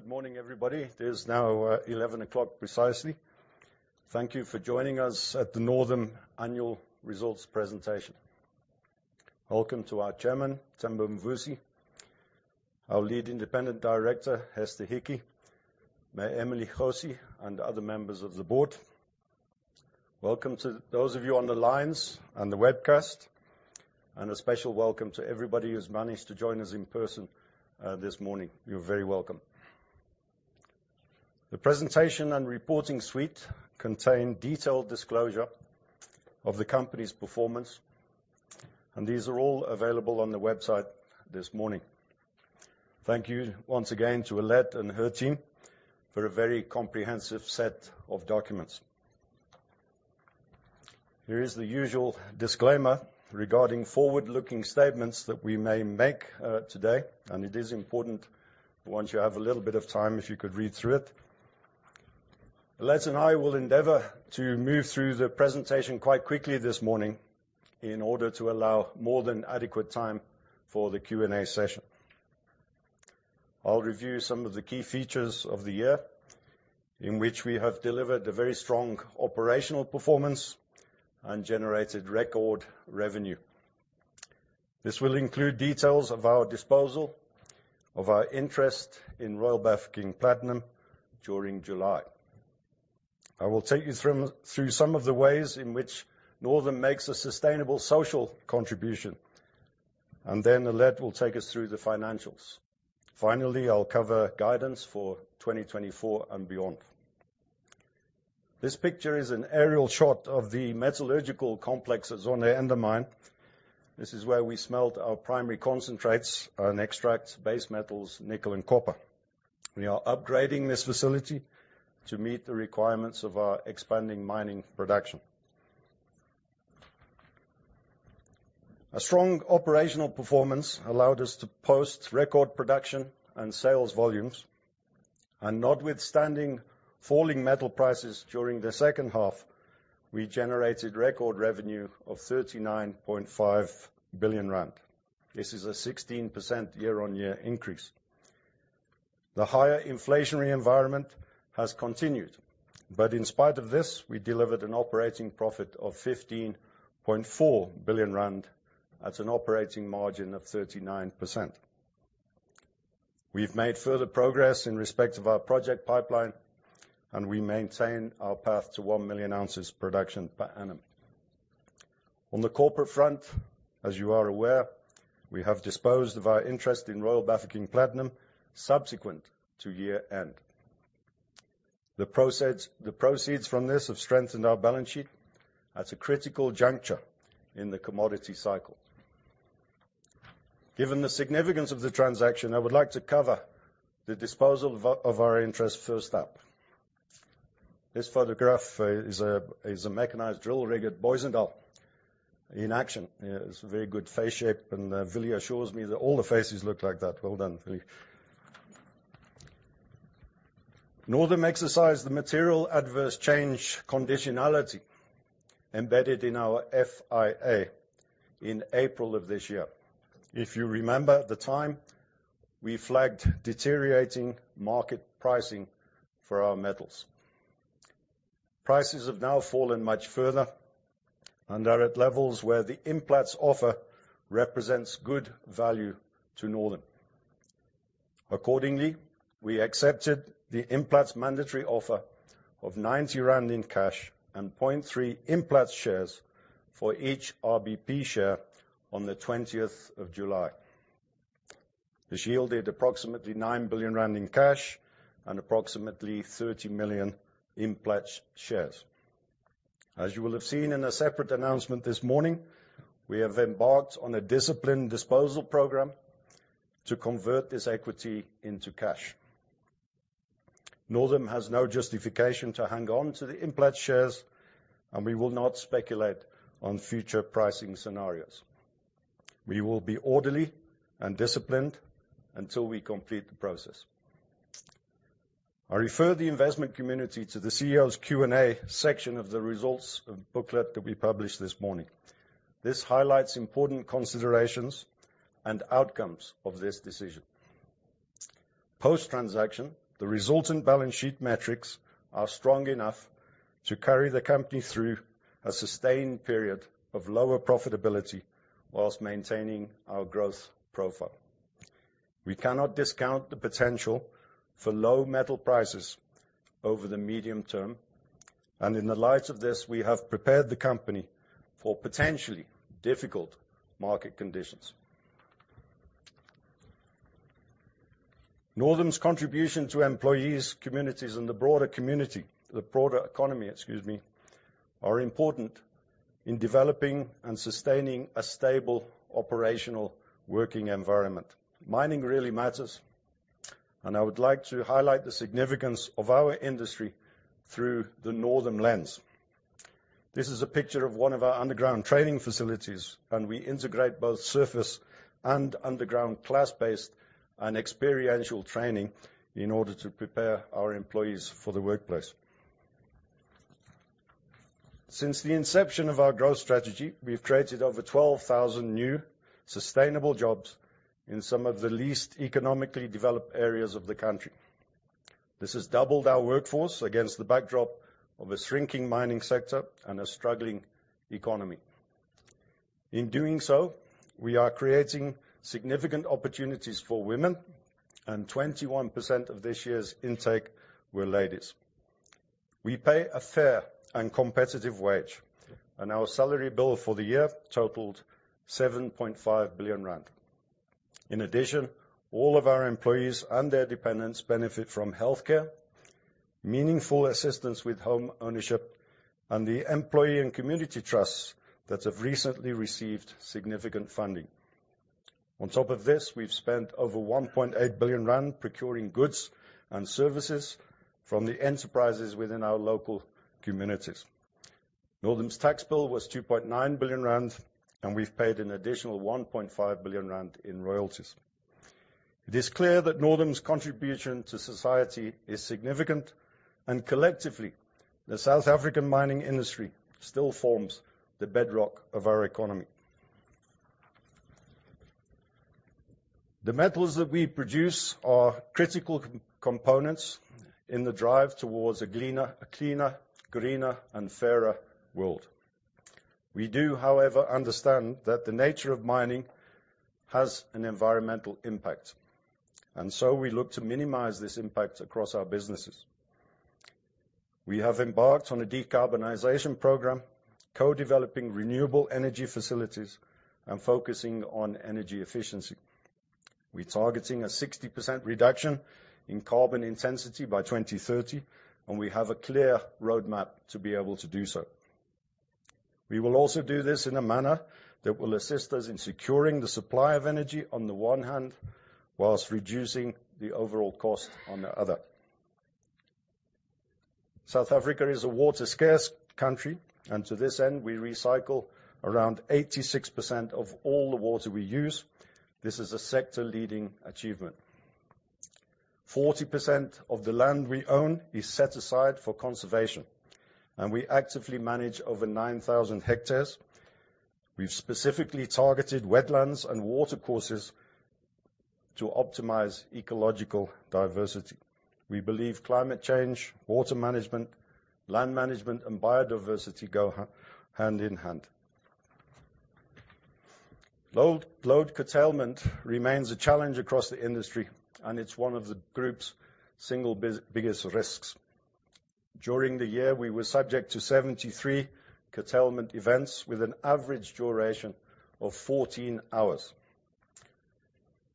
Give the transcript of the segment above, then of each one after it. Good morning, everybody. It is now 11:00 A.M. precisely. Thank you for joining us at the Northam Annual Results Presentation. Welcome to our Chairman, Temba Mvusi, our Lead Independent Director, Hester Hickey, Ms Emily Nkosi, and other members of the Board. Welcome to those of you on the lines and the webcast, and a special welcome to everybody who's managed to join us in person this morning. You're very welcome. The presentation and reporting suite contain detailed disclosure of the company's performance, and these are all available on the website this morning. Thank you once again to Alet and her team for a very comprehensive set of documents. Here is the usual disclaimer regarding forward-looking statements that we may make today, and it is important, once you have a little bit of time, if you could read through it. Alet and I will endeavor to move through the presentation quite quickly this morning in order to allow more than adequate time for the Q&A session. I'll review some of the key features of the year, in which we have delivered a very strong operational performance and generated record revenue. This will include details of our disposal of our interest in Royal Bafokeng Platinum during July. I will take you through some of the ways in which Northam makes a sustainable social contribution, and then Alet will take us through the financials. Finally, I'll cover guidance for 2024 and beyond. This picture is an aerial shot of the metallurgical complex at Zondereinde mine. This is where we smelt our primary concentrates and extract base metals, nickel and copper. We are upgrading this facility to meet the requirements of our expanding mining production. A strong operational performance allowed us to post record production and sales volumes, and notwithstanding falling metal prices during the second half, we generated record revenue of 39.5 billion rand. This is a 16% year-on-year increase. The higher inflationary environment has continued, but in spite of this, we delivered an operating profit of 15.4 billion rand at an operating margin of 39%. We've made further progress in respect of our project pipeline, and we maintain our path to 1 million ounces production per annum. On the corporate front, as you are aware, we have disposed of our interest in Royal Bafokeng Platinum subsequent to year-end. The proceeds, the proceeds from this have strengthened our balance sheet at a critical juncture in the commodity cycle. Given the significance of the transaction, I would like to cover the disposal of our, of our interest first up. This photograph is a mechanized drill rig at Booysendal in action. Yeah, it's a very good face shape, and Willie assures me that all the faces look like that. Well done, Willie. Northam exercised the material adverse change conditionality embedded in our FIA in April of this year. If you remember at the time, we flagged deteriorating market pricing for our metals. Prices have now fallen much further and are at levels where the Implats offer represents good value to Northam. Accordingly, we accepted the Implats mandatory offer of 90 rand in cash and 0.3 Implats shares for each RBP share on the 20th of July. This yielded approximately 9 billion rand in cash and approximately 30 million Implats shares. As you will have seen in a separate announcement this morning, we have embarked on a disciplined disposal program to convert this equity into cash. Northam has no justification to hang on to the Implats shares, and we will not speculate on future pricing scenarios. We will be orderly and disciplined until we complete the process. I refer the investment community to the CEO's Q&A section of the results booklet that we published this morning. This highlights important considerations and outcomes of this decision. Post-transaction, the resultant balance sheet metrics are strong enough to carry the company through a sustained period of lower profitability while maintaining our growth profile. We cannot discount the potential for low metal prices over the medium term, and in the light of this, we have prepared the company for potentially difficult market conditions. Northam's contribution to employees, communities, and the broader community, the broader economy, excuse me, are important in developing and sustaining a stable, operational working environment. Mining really matters, and I would like to highlight the significance of our industry through the Northam lens. This is a picture of one of our underground training facilities, and we integrate both surface and underground class-based and experiential training in order to prepare our employees for the workplace. Since the inception of our growth strategy, we've created over 12,000 new, sustainable jobs in some of the least economically developed areas of the country. This has doubled our workforce against the backdrop of a shrinking mining sector and a struggling economy. In doing so, we are creating significant opportunities for women, and 21% of this year's intake were ladies. We pay a fair and competitive wage, and our salary bill for the year totaled 7.5 billion rand. In addition, all of our employees and their dependents benefit from healthcare, meaningful assistance with home ownership, and the employee and community trusts that have recently received significant funding. On top of this, we've spent over 1.8 billion rand procuring goods and services from the enterprises within our local communities. Northam's tax bill was 2.9 billion rand, and we've paid an additional 1.5 billion rand in royalties. It is clear that Northam's contribution to society is significant, and collectively, the South African mining industry still forms the bedrock of our economy. The metals that we produce are critical components in the drive towards a cleaner, greener, and fairer world. We do, however, understand that the nature of mining has an environmental impact, and so we look to minimize this impact across our businesses. We have embarked on a decarbonization program, co-developing renewable energy facilities and focusing on energy efficiency. We're targeting a 60% reduction in carbon intensity by 2030, and we have a clear roadmap to be able to do so. We will also do this in a manner that will assist us in securing the supply of energy on the one hand, while reducing the overall cost on the other. South Africa is a water-scarce country, and to this end, we recycle around 86% of all the water we use. This is a sector-leading achievement. 40% of the land we own is set aside for conservation, and we actively manage over 9,000 hectares. We've specifically targeted wetlands and water courses to optimize ecological diversity. We believe climate change, water management, land management, and biodiversity go hand in hand. Load curtailment remains a challenge across the industry, and it's one of the group's single biggest risks. During the year, we were subject to 73 curtailment events with an average duration of 14 hours.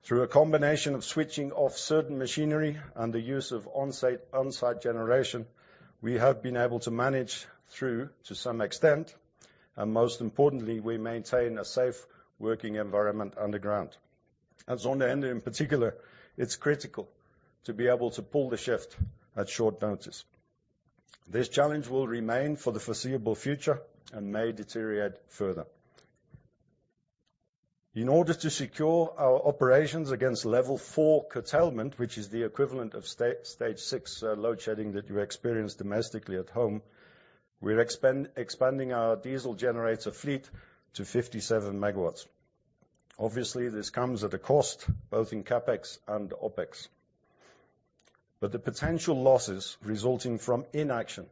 Through a combination of switching off certain machinery and the use of on-site generation, we have been able to manage through to some extent, and most importantly, we maintain a safe working environment underground. At Zondereinde in particular, it's critical to be able to pull the shift at short notice. This challenge will remain for the foreseeable future and may deteriorate further. In order to secure our operations against level four curtailment, which is the equivalent of stage six load shedding that you experience domestically at home, we're expanding our diesel generator fleet to 57MW. Obviously, this comes at a cost, both in CapEx and OpEx. But the potential losses resulting from inaction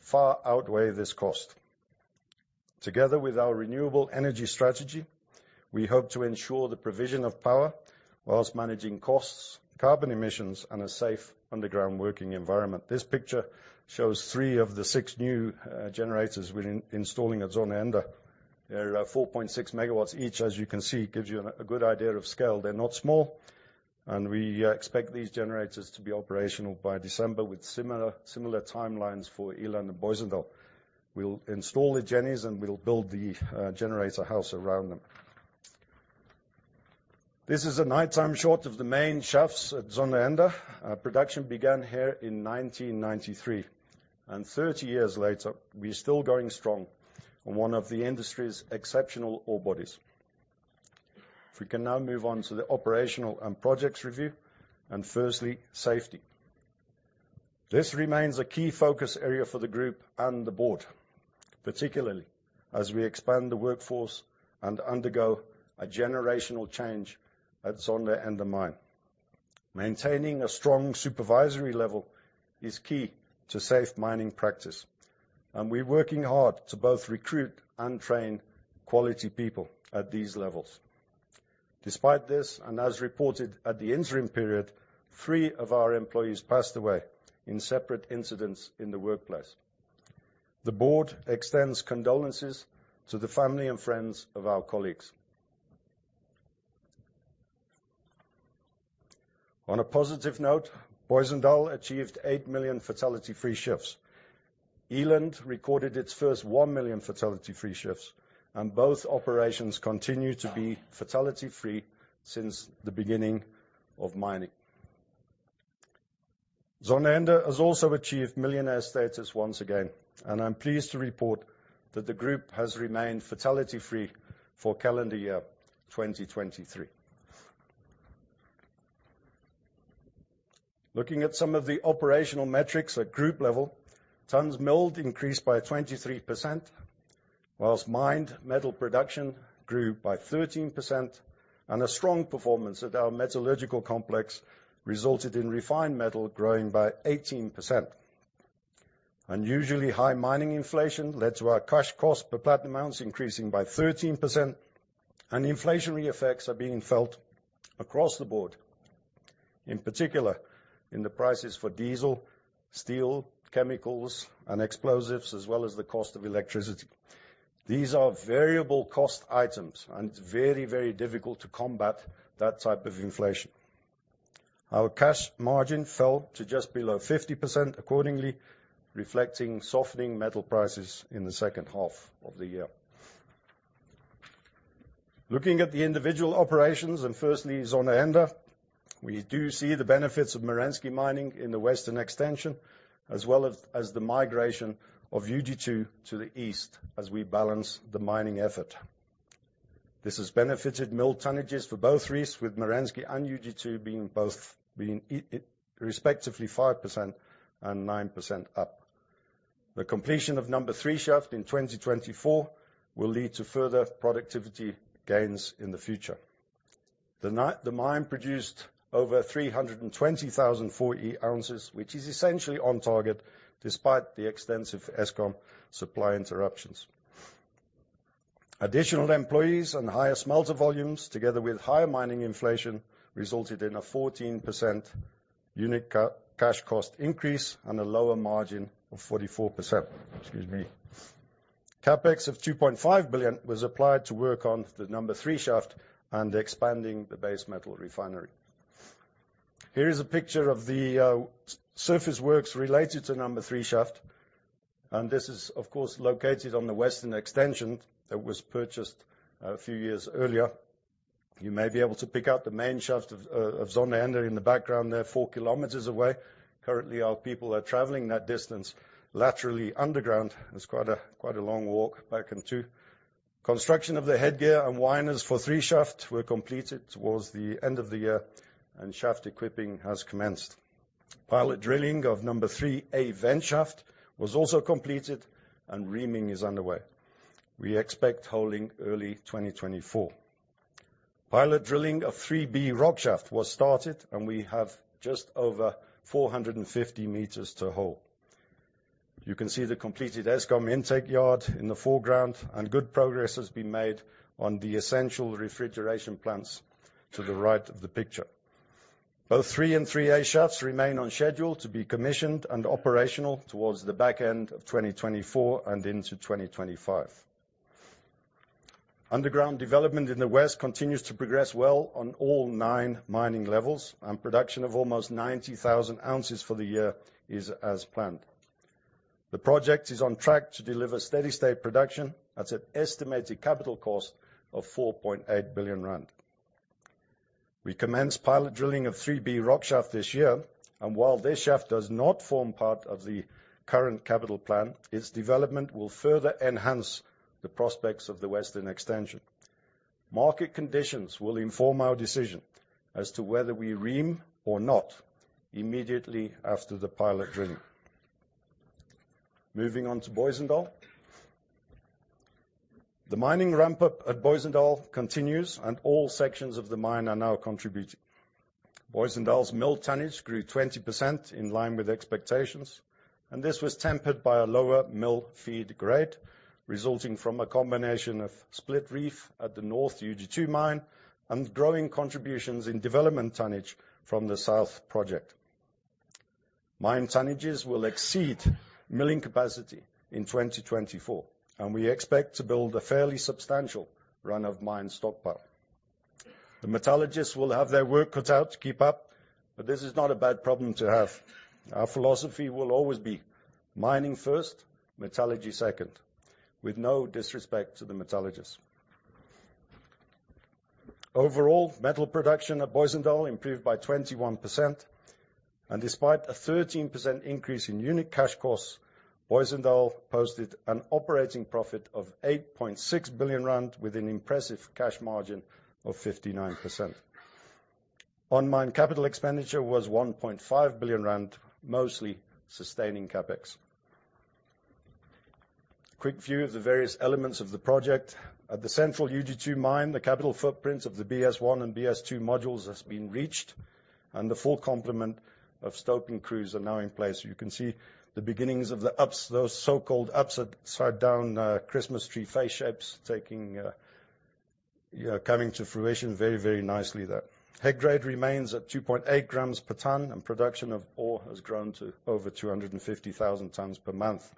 far outweigh this cost. Together with our renewable energy strategy, we hope to ensure the provision of power while managing costs, carbon emissions, and a safe underground working environment. This picture shows three of the six new generators we're installing at Zondereinde. They're 4.6 MW each. As you can see, it gives you a good idea of scale. They're not small, and we expect these generators to be operational by December, with similar timelines for Eland and Booysendal. We'll install the gennies, and we'll build the generator house around them. This is a nighttime shot of the main shafts at Zondereinde. Production began here in 1993, and 30 years later, we're still going strong on one of the industry's exceptional ore bodies. If we can now move on to the operational and projects review, and firstly, safety. This remains a key focus area for the group and the board, particularly as we expand the workforce and undergo a generational change at Zondereinde mine. Maintaining a strong supervisory level is key to safe mining practice, and we're working hard to both recruit and train quality people at these levels. Despite this, and as reported at the interim period, three of our employees passed away in separate incidents in the workplace. The board extends condolences to the family and friends of our colleagues. On a positive note, Booysendal achieved 8 million fatality-free shifts. Eland recorded its first 1 million fatality-free shifts, and both operations continue to be fatality-free since the beginning of mining. Zondereinde has also achieved millionaire status once again, and I'm pleased to report that the group has remained fatality-free for calendar year 2023. Looking at some of the operational metrics at group level, tons milled increased by 23%, while mined metal production grew by 13%, and a strong performance at our metallurgical complex resulted in refined metal growing by 18%. Unusually high mining inflation led to our cash cost per platinum ounce increasing by 13%, and inflationary effects are being felt across the board, in particular, in the prices for diesel, steel, chemicals, and explosives, as well as the cost of electricity. These are variable cost items, and it's very, very difficult to combat that type of inflation. Our cash margin fell to just below 50%, accordingly, reflecting softening metal prices in the second half of the year. Looking at the individual operations, and firstly, Zondereinde, we do see the benefits of Merensky mining in the western extension, as well as, as the migration of UG2 to the east as we balance the mining effort. This has benefited mill tonnages for both reefs, with Merensky and UG2 being both being respectively, 5% and 9% up. The completion of number three shaft in 2024 will lead to further productivity gains in the future. The mine produced over 320,040 ounces, which is essentially on target despite the extensive Eskom supply interruptions. Additional employees and higher smelter volumes, together with higher mining inflation, resulted in a 14% unit cash cost increase and a lower margin of 44%. Excuse me. CapEx of 2.5 billion was applied to work on the number three shaft and expanding the base metal refinery. Here is a picture of the surface works related to number three shaft, and this is, of course, located on the western extension that was purchased a few years earlier. You may be able to pick out the main shaft of Zondereinde in the background there, 4Km away. Currently, our people are traveling that distance laterally underground. It's quite a long walk back and to. Construction of the headgear and winders for 3 shaft were completed towards the end of the year, and shaft equipping has commenced. Pilot drilling of number three A vent shaft was also completed, and reaming is underway. We expect holing early 2024. Pilot drilling of 3B rock shaft was started, and we have just over 450 meters to hole. You can see the completed Eskom intake yard in the foreground, and good progress has been made on the essential refrigeration plants to the right of the picture. Both 3 and 3A shafts remain on schedule to be commissioned and operational towards the back end of 2024 and into 2025. Underground development in the west continues to progress well on all nine mining levels, and production of almost 90,000 ounces for the year is as planned. The project is on track to deliver steady state production at an estimated capital cost of 4.8 billion rand. We commenced pilot drilling of 3B rock shaft this year, and while this shaft does not form part of the current capital plan, its development will further enhance the prospects of the western extension. Market conditions will inform our decision as to whether we ream or not immediately after the pilot drilling. Moving on to Booysendal. The mining ramp-up at Booysendal continues, and all sections of the mine are now contributing. Booysendal's mill tonnage grew 20% in line with expectations, and this was tempered by a lower mill feed grade, resulting from a combination of split reef at the North UG2 mine and growing contributions in development tonnage from the South project. Mine tonnages will exceed milling capacity in 2024, and we expect to build a fairly substantial run-of-mine stock pile. The metallurgists will have their work cut out to keep up, but this is not a bad problem to have. Our philosophy will always be mining first, metallurgy second, with no disrespect to the metallurgists. Overall, metal production at Booysendal improved by 21%, and despite a 13% increase in unit cash costs, Booysendal posted an operating profit of 8.6 billion rand with an impressive cash margin of 59%. On mine capital expenditure was 1.5 billion rand, mostly sustaining CapEx. Quick view of the various elements of the project. At the central UG2 mine, the capital footprints of the BS1 and BS2 modules has been reached, and the full complement of stoping crews are now in place. You can see the beginnings of the ups, those so-called upside down, Christmas tree face shapes taking, coming to fruition very, very nicely there. Head grade remains at 2.8 g/t, and production of ore has grown to over 250,000 tons per month.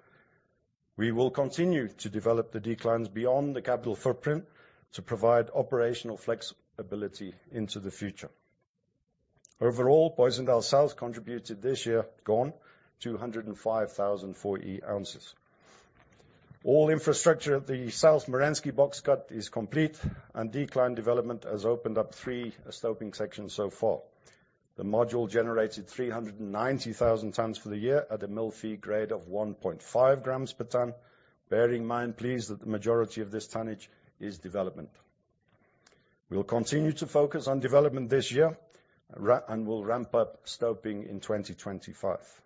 We will continue to develop the declines beyond the capital footprint to provide operational flexibility into the future. Overall, Booysendal South contributed this year gone 205,040 ounces. All infrastructure at the South Merensky box cut is complete, and decline development has opened up 3 stoping sections so far. The module generated 390,000 tons for the year at a mill feed grade of 1.5 g/t. Bearing in mind, please, that the majority of this tonnage is development. We'll continue to focus on development this year, and we'll ramp up stoping in 2025.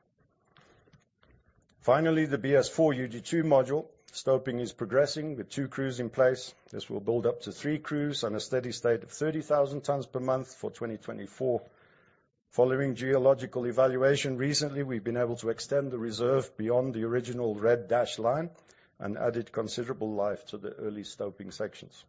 Finally, the BS4 UG2 module stoping is progressing with two crews in place. This will build up to three crews and a steady state of 30,000 tons per month for 2024. Following geological evaluation, recently, we've been able to extend the reserve beyond the original red dashed line and added considerable life to the early stoping sections.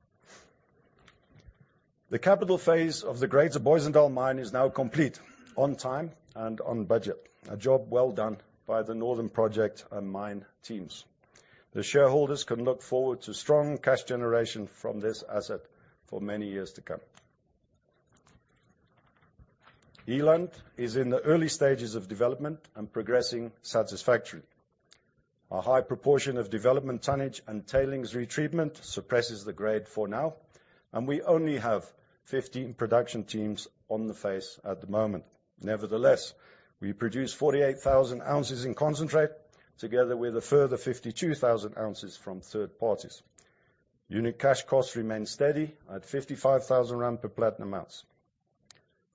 The capital phase of the Greater Booysendal mine is now complete, on time and on budget. A job well done by the Northam project and mine teams. The shareholders can look forward to strong cash generation from this asset for many years to come. Eland is in the early stages of development and progressing satisfactorily. A high proportion of development tonnage and tailings retreatment suppresses the grade for now, and we only have 15 production teams on the face at the moment. Nevertheless, we produce 48,000 ounces in concentrate, together with a further 52,000 ounces from third parties. Unit cash costs remain steady at 55,000 rand per platinum ounce.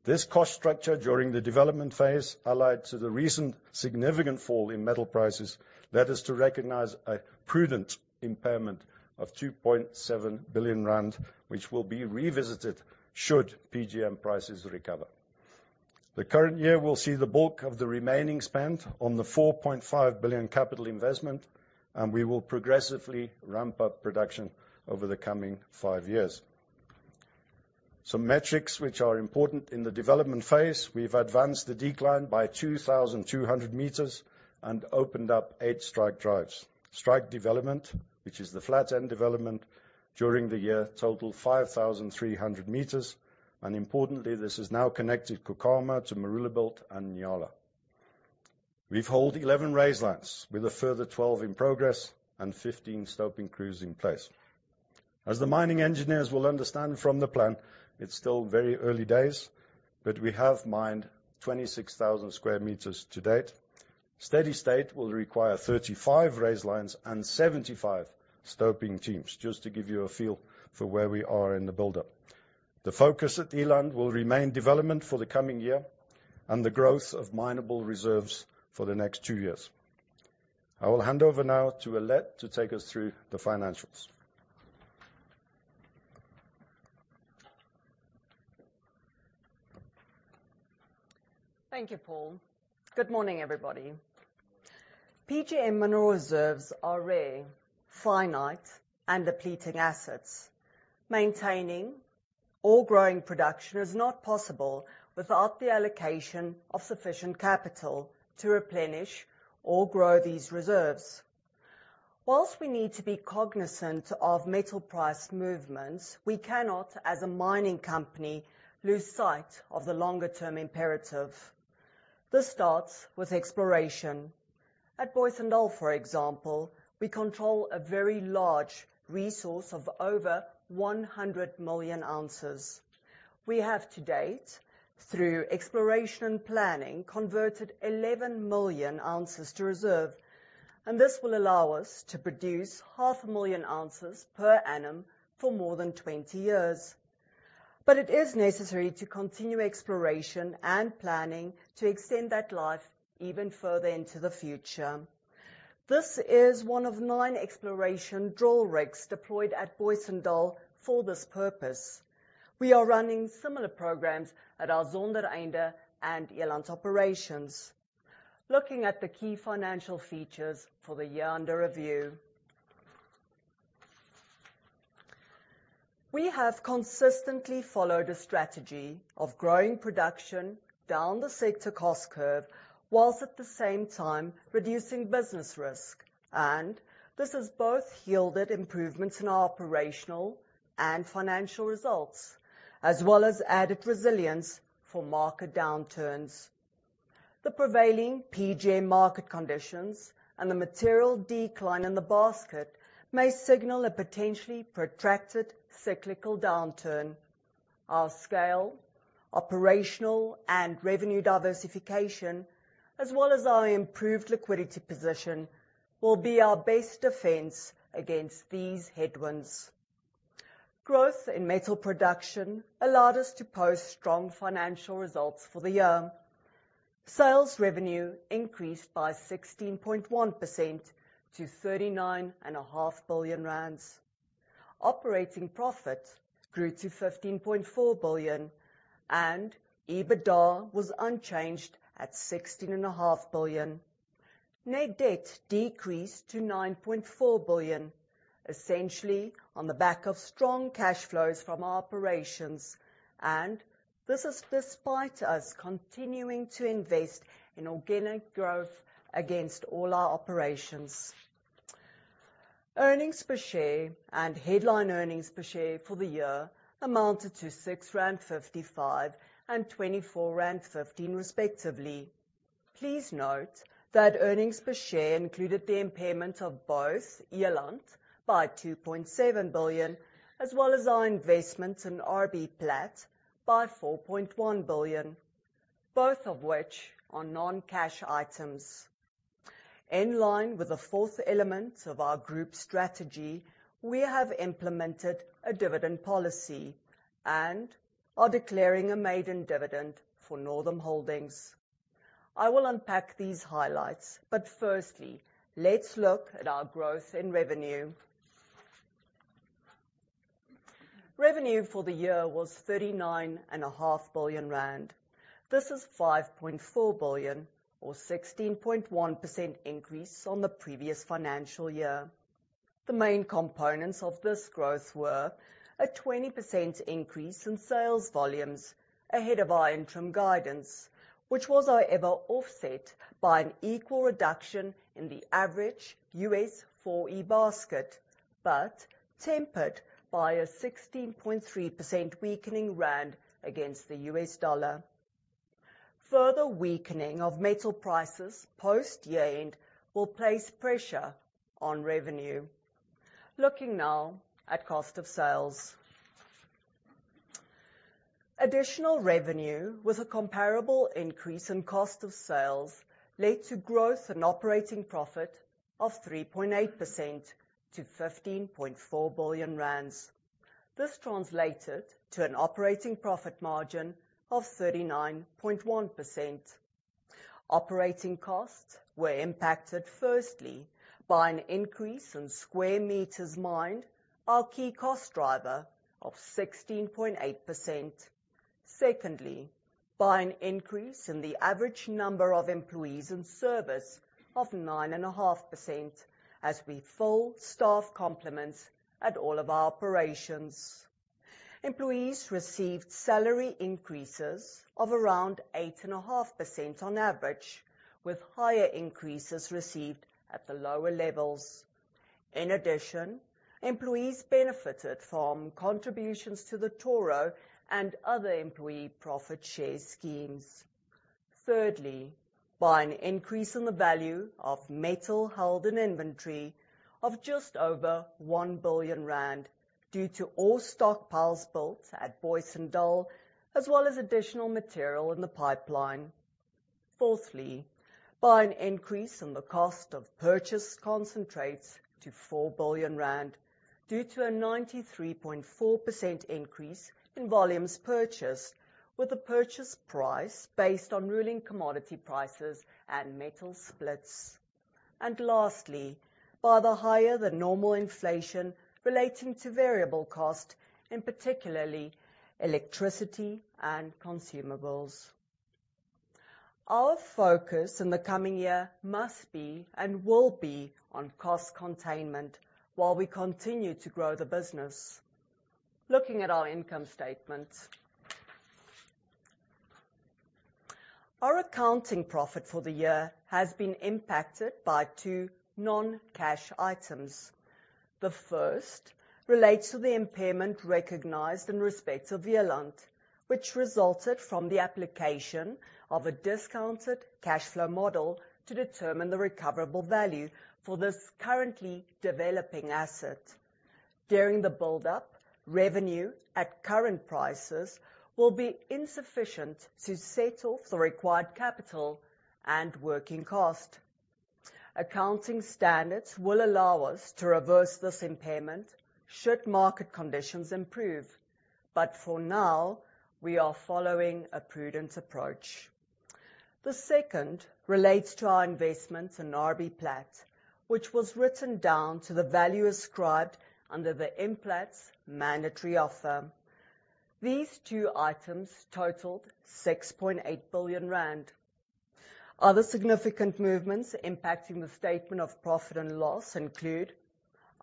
This cost structure during the development phase, allied to the recent significant fall in metal prices, led us to recognize a prudent impairment of 2.7 billion rand, which will be revisited should PGM prices recover. The current year will see the bulk of the remaining spend on the 4.5 billion capital investment, and we will progressively ramp up production over the coming 5 years. Some metrics which are important in the development phase, we've advanced the decline by 2,200 meters and opened up eight strike drives. Strike development, which is the flat end development, during the year, totaled 5,300m, and importantly, this has now connected Kukama to Merensky belt and Nyala. We've holed 11 raise lines, with a further 12 in progress and 15 stoping crews in place. As the mining engineers will understand from the plan, it's still very early days, but we have mined 26,000 sq m to date. Steady state will require 35 raise lines and 75 stoping teams, just to give you a feel for where we are in the buildup. The focus at Eland will remain development for the coming year and the growth of mineable reserves for the next two years. I will hand over now to Alet to take us through the financials. Thank you, Paul. Good morning, everybody. PGM mineral reserves are rare, finite, and depleting assets. Maintaining or growing production is not possible without the allocation of sufficient capital to replenish or grow these reserves. While we need to be cognizant of metal price movements, we cannot, as a mining company, lose sight of the longer-term imperative. This starts with exploration. At Booysendal, for example, we control a very large resource of over 100 million ounces. We have, to date, through exploration and planning, converted 11 million ounces to reserve, and this will allow us to produce 0.5 million ounces per annum for more than 20 years. But it is necessary to continue exploration and planning to extend that life even further into the future. This is one of 9 exploration drill rigs deployed at Booysendal for this purpose. We are running similar programs at our Zondereinde and Eland operations. Looking at the key financial features for the year under review. We have consistently followed a strategy of growing production down the sector cost curve, while at the same time reducing business risk. And this has both yielded improvements in our operational and financial results, as well as added resilience for market downturns. The prevailing PGM market conditions and the material decline in the basket may signal a potentially protracted cyclical downturn. Our scale, operational and revenue diversification, as well as our improved liquidity position, will be our best defense against these headwinds. Growth in metal production allowed us to post strong financial results for the year. Sales revenue increased by 16.1% to 39.5 billion rand. Operating profit grew to 15.4 billion, and EBITDA was unchanged at 16.5 billion. Net debt decreased to 9.4 billion, essentially on the back of strong cash flows from our operations, and this is despite us continuing to invest in organic growth against all our operations. Earnings per share and headline earnings per share for the year amounted to 6.55 rand and 24.15 rand, respectively. Please note that earnings per share included the impairment of both Eland by 2.7 billion, as well as our investment in RBPlat by 4.1 billion... both of which are non-cash items. In line with the fourth element of our group strategy, we have implemented a dividend policy and are declaring a maiden dividend for Northam Holdings. I will unpack these highlights, but firstly, let's look at our growth in revenue. Revenue for the year was 39.5 billion rand. This is 5.4 billion, or 16.1% increase on the previous financial year. The main components of this growth were a 20% increase in sales volumes ahead of our interim guidance, which was, however, offset by an equal reduction in the average U.S. 4E basket, but tempered by a 16.3% weakening rand against the US dollar. Further weakening of metal prices post year-end will place pressure on revenue. Looking now at cost of sales. Additional revenue with a comparable increase in cost of sales led to growth in operating profit of 3.8% to 15.4 billion rand. This translated to an operating profit margin of 39.1%. Operating costs were impacted firstly, by an increase in square meters mined, our key cost driver, of 16.8%. Secondly, by an increase in the average number of employees in service of 9.5%, as we fill staff complements at all of our operations. Employees received salary increases of around 8.5% on average, with higher increases received at the lower levels. In addition, employees benefited from contributions to the Toro and other employee profit share schemes. Thirdly, by an increase in the value of metal held in inventory of just over 1 billion rand due to ore stockpiles built at Booysendal, as well as additional material in the pipeline. Fourthly, by an increase in the cost of purchased concentrates to 4 billion rand, due to a 93.4% increase in volumes purchased, with the purchase price based on ruling commodity prices and metal splits. Lastly, by the higher than normal inflation relating to variable cost, in particular electricity and consumables. Our focus in the coming year must be and will be on cost containment while we continue to grow the business. Looking at our income statement. Our accounting profit for the year has been impacted by two non-cash items. The first relates to the impairment recognized in respect of Eland, which resulted from the application of a discounted cash flow model to determine the recoverable value for this currently developing asset. During the buildup, revenue at current prices will be insufficient to settle the required capital and working cost. Accounting standards will allow us to reverse this impairment should market conditions improve, but for now, we are following a prudent approach. The second relates to our investment in RBPlat, which was written down to the value ascribed under the Implats mandatory offer. These two items totaled 6.8 billion rand. Other significant movements impacting the statement of profit and loss include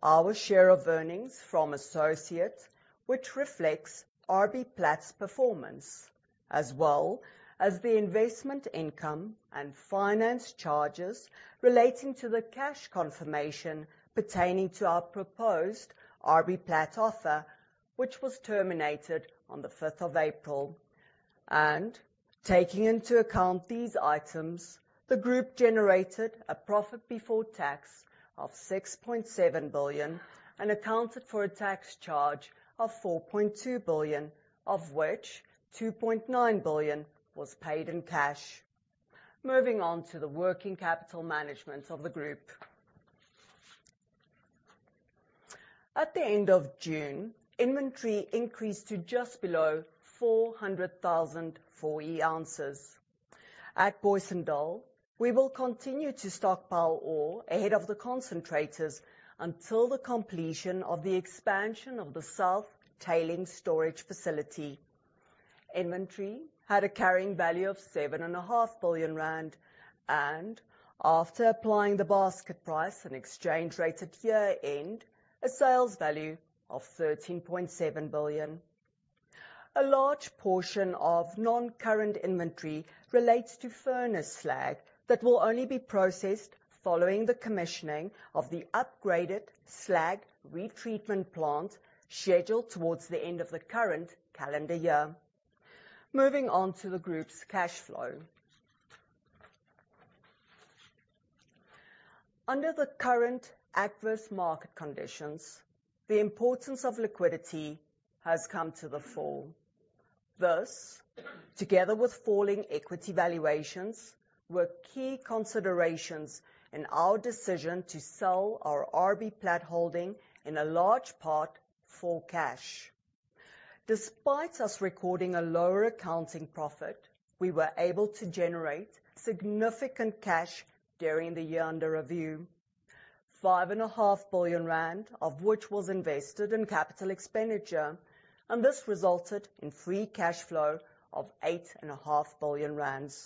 our share of earnings from associates, which reflects RBPlat's performance, as well as the investment income and finance charges relating to the cash confirmation pertaining to our proposed RBPlat offer, which was terminated on the fifth of April. Taking into account these items, the group generated a profit before tax of 6.7 billion and accounted for a tax charge of 4.2 billion, of which 2.9 billion was paid in cash. Moving on to the working capital management of the group. At the end of June, inventory increased to just below 400,000 4E ounces. At Booysendal, we will continue to stockpile ore ahead of the concentrators until the completion of the expansion of the South Tailings storage facility. Inventory had a carrying value of 7.5 billion rand, and after applying the basket price and exchange rate at year-end, a sales value of 13.7 billion. A large portion of non-current inventory relates to furnace slag, that will only be processed following the commissioning of the upgraded slag retreatment plant scheduled towards the end of the current calendar year. Moving on to the group's cash flow. Under the current adverse market conditions, the importance of liquidity has come to the fore. Thus, together with falling equity valuations, were key considerations in our decision to sell our RBPlat holding in a large part for cash. Despite us recording a lower accounting profit, we were able to generate significant cash during the year under review. 5.5 billion rand, of which was invested in capital expenditure, and this resulted in free cash flow of 8.5 billion rand.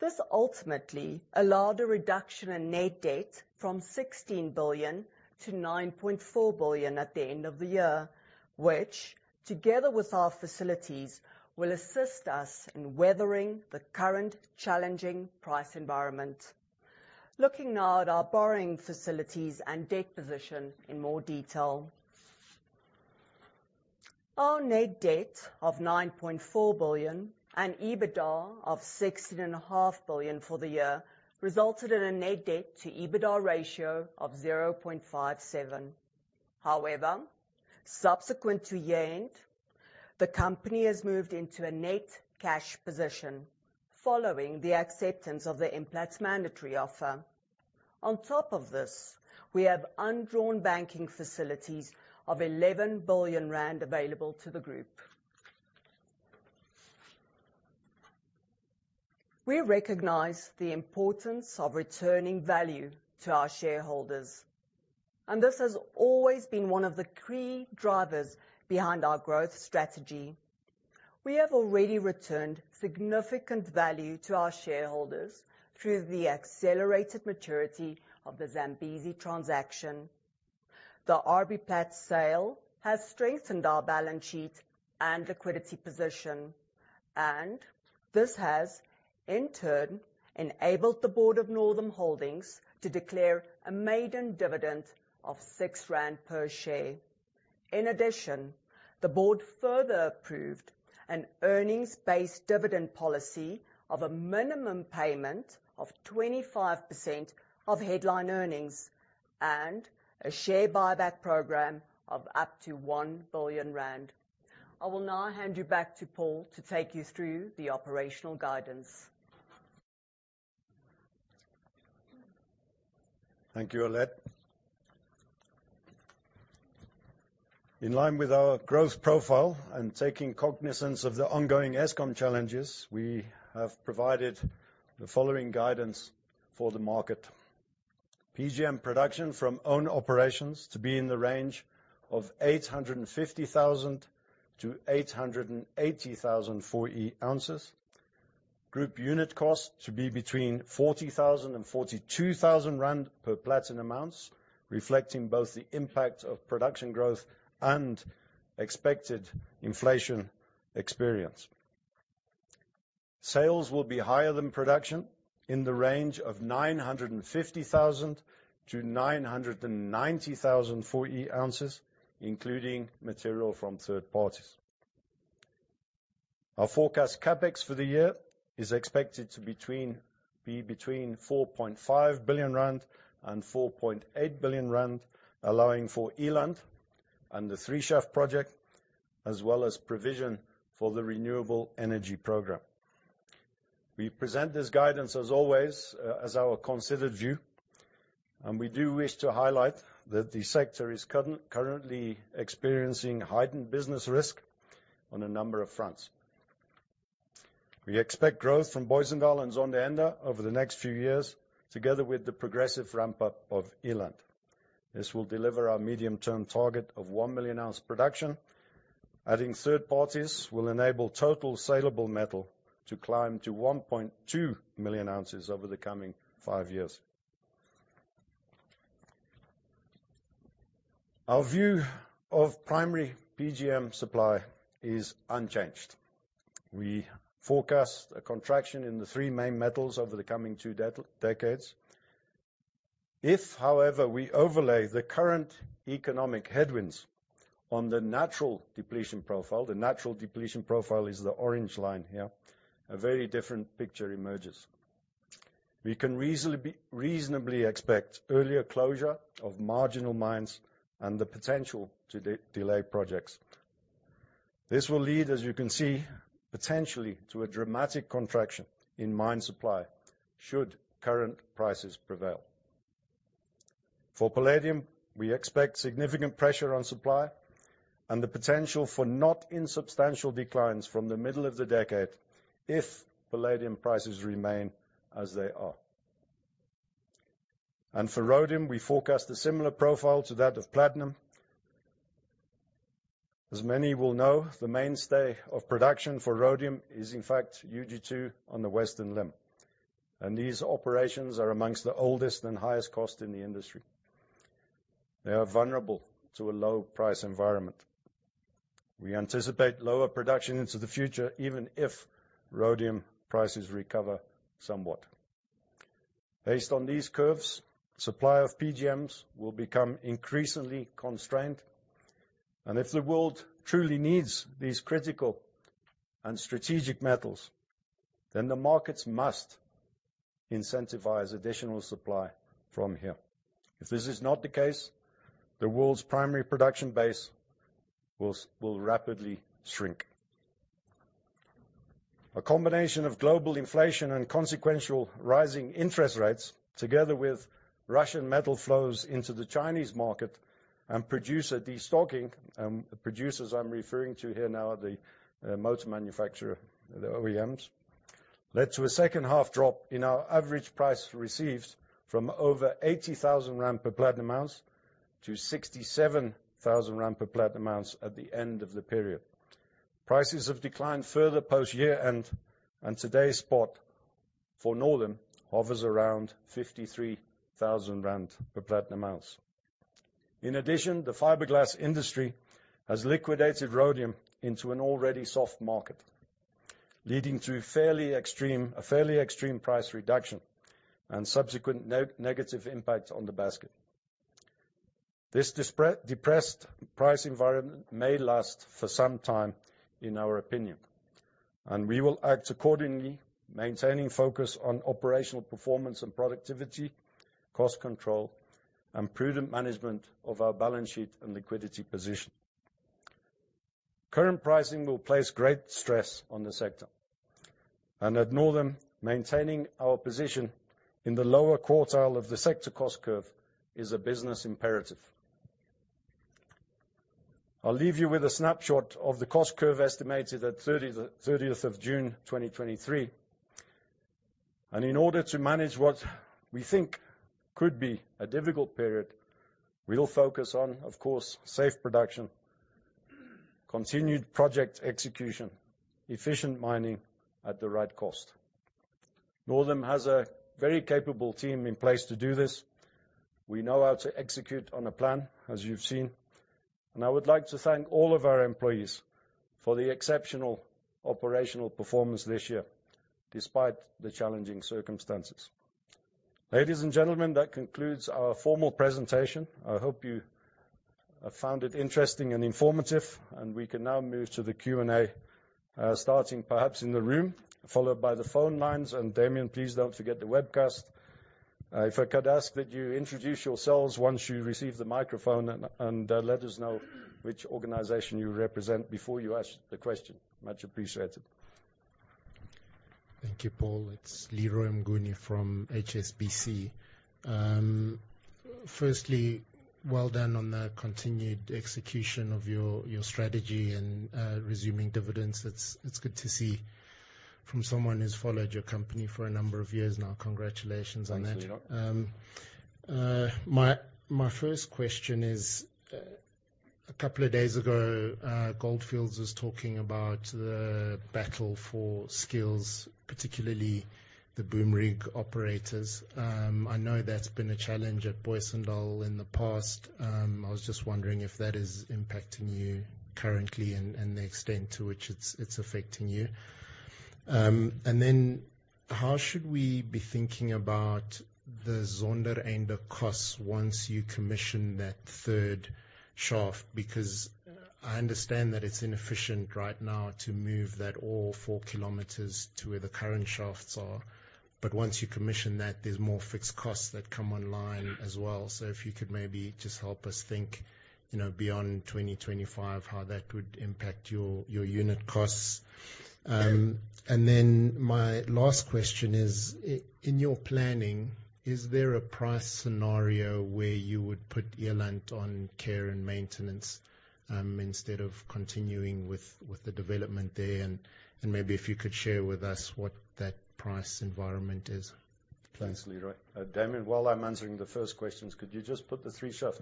This ultimately allowed a reduction in net debt from 16 billion to 9.4 billion at the end of the year, which, together with our facilities, will assist us in weathering the current challenging price environment. Looking now at our borrowing facilities and debt position in more detail. Our net debt of 9.4 billion and EBITDA of 16.5 billion for the year resulted in a net debt to EBITDA ratio of 0.57. However, subsequent to year-end, the company has moved into a net cash position following the acceptance of the Implats mandatory offer. On top of this, we have undrawn banking facilities of 11 billion rand available to the group. We recognize the importance of returning value to our shareholders, and this has always been one of the key drivers behind our growth strategy. We have already returned significant value to our shareholders through the accelerated maturity of the Zambezi transaction. The RBPlat sale has strengthened our balance sheet and liquidity position, and this has, in turn, enabled the board of Northam Holdings to declare a maiden dividend of 6 rand per share. In addition, the board further approved an earnings-based dividend policy of a minimum payment of 25% of headline earnings and a share buyback program of up to 1 billion rand. I will now hand you back to Paul to take you through the operational guidance. Thank you, Alet. In line with our growth profile and taking cognizance of the ongoing Eskom challenges, we have provided the following guidance for the market. PGM production from own operations to be in the range of 850,000-880,000 full ounces. Group unit cost to be between 40,000-42,000 rand per platinum ounce, reflecting both the impact of production growth and expected inflation experience. Sales will be higher than production, in the range of 950,000-990,000 full ounces, including material from third parties. Our forecast CapEx for the year is expected to be between 4.5 billion rand and 4.8 billion rand, allowing for Eland and the Three Shaft Project, as well as provision for the renewable energy program. We present this guidance, as always, as our considered view, and we do wish to highlight that the sector is currently experiencing heightened business risk on a number of fronts. We expect growth from Booysendal and Zondereinde over the next few years, together with the progressive ramp-up of Eland. This will deliver our medium-term target of 1 million ounce production. Adding third parties will enable total salable metal to climb to 1.2 million ounces over the coming 5 years. Our view of primary PGM supply is unchanged. We forecast a contraction in the three main metals over the coming two decades. If, however, we overlay the current economic headwinds on the natural depletion profile, the natural depletion profile is the orange line here, a very different picture emerges. We can reasonably expect earlier closure of marginal mines and the potential to delay projects. This will lead, as you can see, potentially to a dramatic contraction in mine supply, should current prices prevail. For palladium, we expect significant pressure on supply and the potential for not insubstantial declines from the middle of the decade if palladium prices remain as they are. And for rhodium, we forecast a similar profile to that of platinum. As many will know, the mainstay of production for rhodium is, in fact, UG2 on the western limb, and these operations are among the oldest and highest cost in the industry. They are vulnerable to a low price environment. We anticipate lower production into the future, even if rhodium prices recover somewhat. Based on these curves, supply of PGMs will become increasingly constrained. If the world truly needs these critical and strategic metals, then the markets must incentivize additional supply from here. If this is not the case, the world's primary production base will rapidly shrink. A combination of global inflation and consequential rising interest rates, together with Russian metal flows into the Chinese market and producer destocking, the producers I'm referring to here now are the motor manufacturer, the OEMs, led to a second half drop in our average price received from over 80,000 rand per platinum ounce to 67,000 rand per platinum ounce at the end of the period. Prices have declined further post year-end, and today's spot for Northam hovers around 53,000 rand per platinum ounce. In addition, the fiberglass industry has liquidated rhodium into an already soft market, leading to a fairly extreme price reduction and subsequent negative impact on the basket. This depressed price environment may last for some time, in our opinion, and we will act accordingly, maintaining focus on operational performance and productivity, cost control, and prudent management of our balance sheet and liquidity position. Current pricing will place great stress on the sector, and at Northam, maintaining our position in the lower quartile of the sector cost curve is a business imperative. I'll leave you with a snapshot of the cost curve estimated at 30th June 2023. In order to manage what we think could be a difficult period, we'll focus on, of course, safe production, continued project execution, efficient mining at the right cost. Northam has a very capable team in place to do this. We know how to execute on a plan, as you've seen, and I would like to thank all of our employees for the exceptional operational performance this year, despite the challenging circumstances. Ladies and gentlemen, that concludes our formal presentation. I hope you have found it interesting and informative, and we can now move to the Q&A, starting perhaps in the room, followed by the phone lines. And Damian, please don't forget the webcast. If I could ask that you introduce yourselves once you receive the microphone and let us know which organization you represent before you ask the question. Much appreciated. Thank you, Paul. It's Leroy Mnguni from HSBC. Firstly, well done on the continued execution of your strategy and resuming dividends. It's good to see from someone who's followed your company for a number of years now. Congratulations on that. Thank you, Leroy. My first question is, a couple of days ago, Gold Fields was talking about the battle for skills, particularly the boom rig operators. I know that's been a challenge at Booysendal in the past. I was just wondering if that is impacting you currently and the extent to which it's affecting you. And then how should we be thinking about the Zondereinde costs once you commission that third shaft? Because I understand that it's inefficient right now to move that all 4Km to where the current shafts are. But once you commission that, there's more fixed costs that come online as well. So if you could maybe just help us think, you know, beyond 2025, how that would impact your unit costs. And then my last question is, in your planning, is there a price scenario where you would put Eland on care and maintenance, instead of continuing with the development there? And maybe if you could share with us what that price environment is. Thanks, Leroy. Damian, while I'm answering the first questions, could you just put the three shaft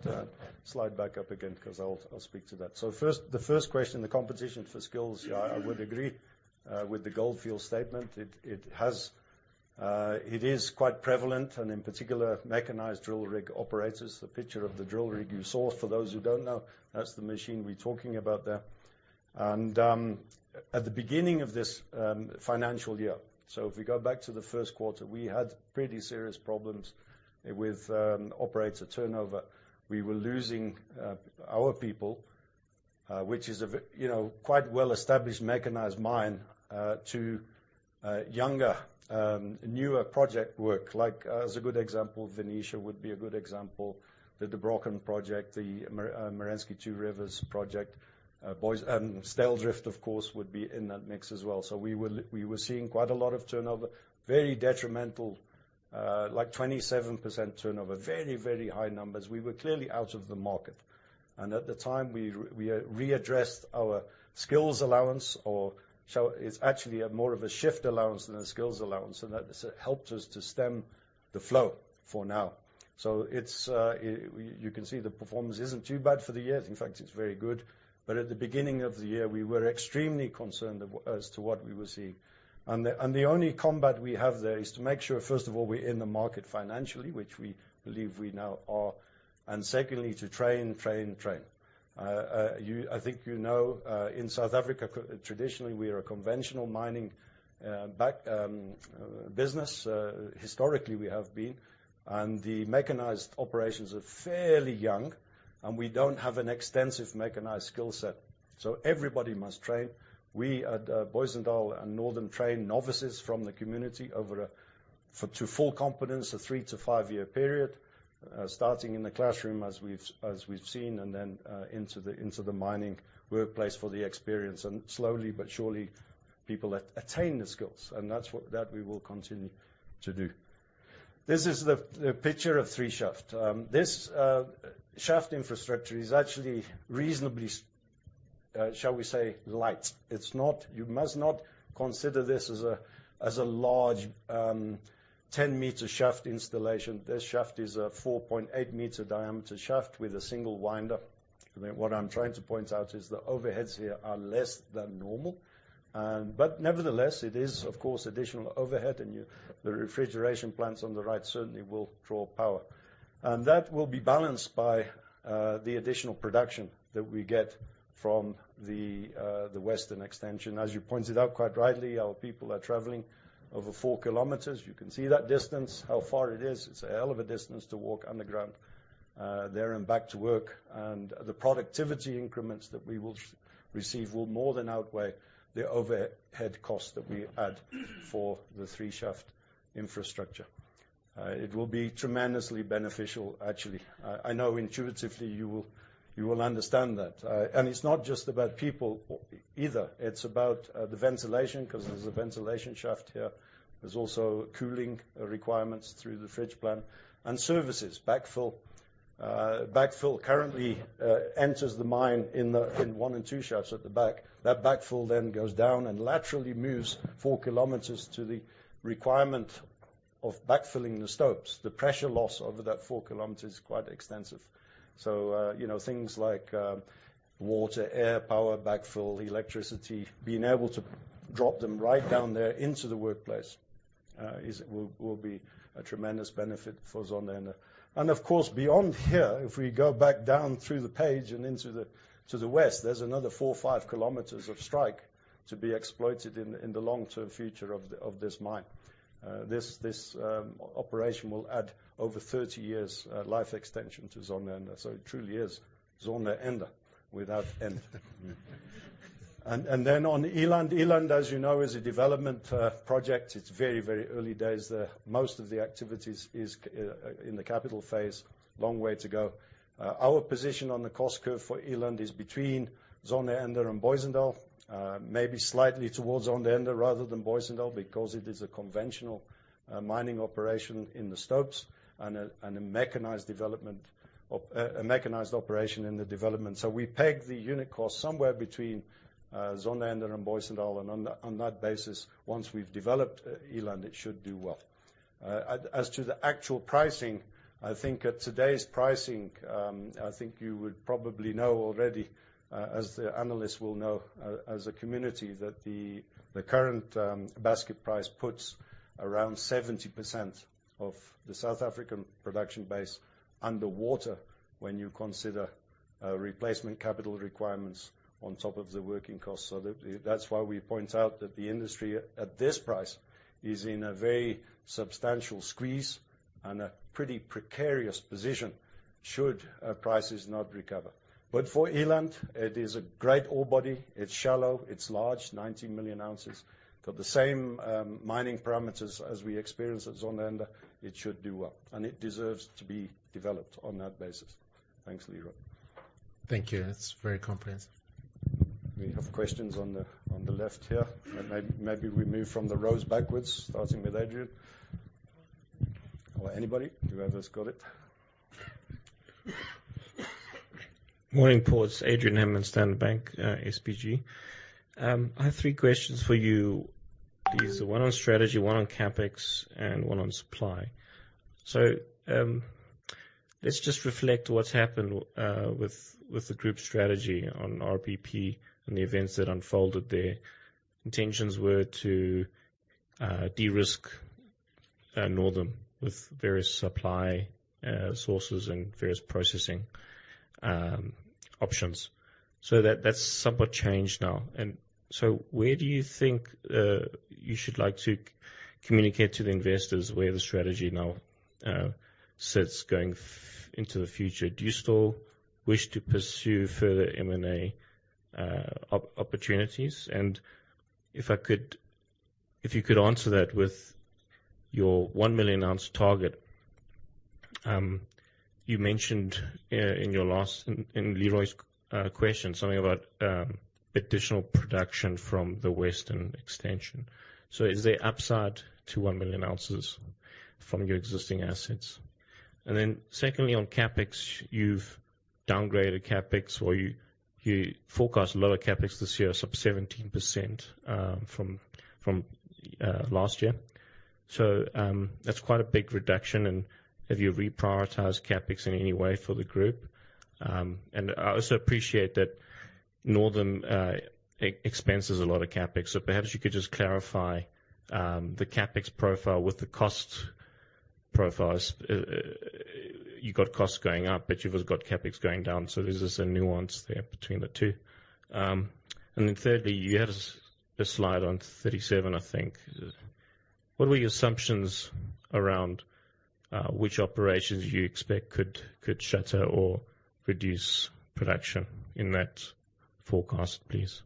slide back up again? Because I'll, I'll speak to that. So first, the first question, the competition for skills, yeah, I would agree with the Gold Fields statement. It, it has, it is quite prevalent, and in particular, mechanized drill rig operators. The picture of the drill rig you saw, for those who don't know, that's the machine we're talking about there. And, at the beginning of this financial year, so if we go back to the first quarter, we had pretty serious problems with operator turnover. We were losing our people, which is a you know, quite well-established mechanized mine to younger, newer project work. Like, as a good example, Venetia would be a good example. The Der Brochen project, the Marikana Two Rivers project, Booysendal and Styldrift, of course, would be in that mix as well. So we were, we were seeing quite a lot of turnover, very detrimental, like 27% turnover. Very, very high numbers. We were clearly out of the market, and at the time, we, we readdressed our skills allowance. It's actually more of a shift allowance than a skills allowance, and that helped us to stem the flow for now. So it's, you can see the performance isn't too bad for the year. In fact, it's very good. But at the beginning of the year, we were extremely concerned as to what we were seeing. And the only combat we have there is to make sure, first of all, we're in the market financially, which we believe we now are, and secondly, to train, train, train. You, I think you know, in South Africa, traditionally, we are a conventional mining, back, business. Historically, we have been, and the mechanized operations are fairly young, and we don't have an extensive mechanized skill set, so everybody must train. We at Booysendal and Northam train novices from the community over for to full competence, a three to five year period, starting in the classroom as we've seen, and then into the mining workplace for the experience, and slowly but surely, people attain the skills, and that's what we will continue to do. This is the picture of 3 shaft. This shaft infrastructure is actually reasonably, shall we say, light. It's not. You must not consider this as a large 10m shaft installation. This shaft is a 4.8m diameter shaft with a single winder. I mean, what I'm trying to point out is the overheads here are less than normal, but nevertheless, it is, of course, additional overhead, and you, the refrigeration plants on the right certainly will draw power. And that will be balanced by the additional production that we get from the western extension. As you pointed out, quite rightly, our people are traveling over 4 kilometers. You can see that distance, how far it is. It's a hell of a distance to walk underground, there and back to work, and the productivity increments that we will receive will more than outweigh the overhead costs that we add for the 3 shaft infrastructure. It will be tremendously beneficial, actually. I know intuitively you will, you will understand that. And it's not just about people either, it's about the ventilation, 'cause there's a ventilation shaft here. There's also cooling requirements through the fridge plant and services. Backfill currently enters the mine in 1 and 2 shafts at the back. That backfill then goes down and laterally moves 4Km to the requirement of backfilling the stopes. The pressure loss over that 4Km is quite extensive. So, you know, things like water, air, power, backfill, electricity, being able to drop them right down there into the workplace, is, will, will be a tremendous benefit for Zondereinde. And of course, beyond here, if we go back down through the page and into the- to the west, there's another four or five kilometers of strike to be exploited in, in the long-term future of, of this mine. This, this, operation will add over 30 years, life extension to Zondereinde, so it truly is Zondereinde without end. And, and then on Eland. Eland, as you know, is a development, project. It's very, very early days there. Most of the activities is, in the capital phase, long way to go. Our position on the cost curve for Eland is between Zondereinde and Booysendal, maybe slightly towards Zondereinde rather than Booysendal, because it is a conventional mining operation in the stopes and a mechanized operation in the development. So we peg the unit cost somewhere between Zondereinde and Booysendal, and on that basis, once we've developed Eland, it should do well. As to the actual pricing, I think at today's pricing, I think you would probably know already, as the analysts will know, as a community, that the current basket price puts around 70% of the South African production base underwater, when you consider replacement capital requirements on top of the working costs. So that, that's why we point out that the industry at this price is in a very substantial squeeze and a pretty precarious position should prices not recover. But for Eland, it is a great ore body. It's shallow, it's large, 19 million ounces. Got the same mining parameters as we experience at Zondereinde. It should do well, and it deserves to be developed on that basis. Thanks, Leroy. Thank you. That's very comprehensive. We have questions on the left here. Maybe we move from the rows backwards, starting with Adrian. Or anybody, whoever's got it. Morning, Paul. It's Adrian Hammond, Standard Bank, SBG. I have 3 questions for you. There's one on strategy, one on CapEx, and one on supply. So, let's just reflect what's happened with the group's strategy on RBPlat and the events that unfolded there. Intentions were to de-risk Northam with various supply sources and various processing options. So that's somewhat changed now. And so where do you think you should like to communicate to the investors where the strategy now sits going into the future? Do you still wish to pursue further M&A opportunities? And if I could if you could answer that with your 1 million ounce target. You mentioned in your last. In Leroy's question, something about additional production from the western extension. So is there upside to 1 million ounces from your existing assets? And then secondly, on CapEx, you've downgraded CapEx, or you forecast lower CapEx this year, sub 17%, from last year. So, that's quite a big reduction. And have you reprioritized CapEx in any way for the group? And I also appreciate that Northam expenses a lot of CapEx, so perhaps you could just clarify the CapEx profile with the cost profiles. You got costs going up, but you've also got CapEx going down, so there's a nuance there between the two. And then thirdly, you had a slide on 37, I think. What were your assumptions around which operations you expect could shutter or reduce production in that forecast, please?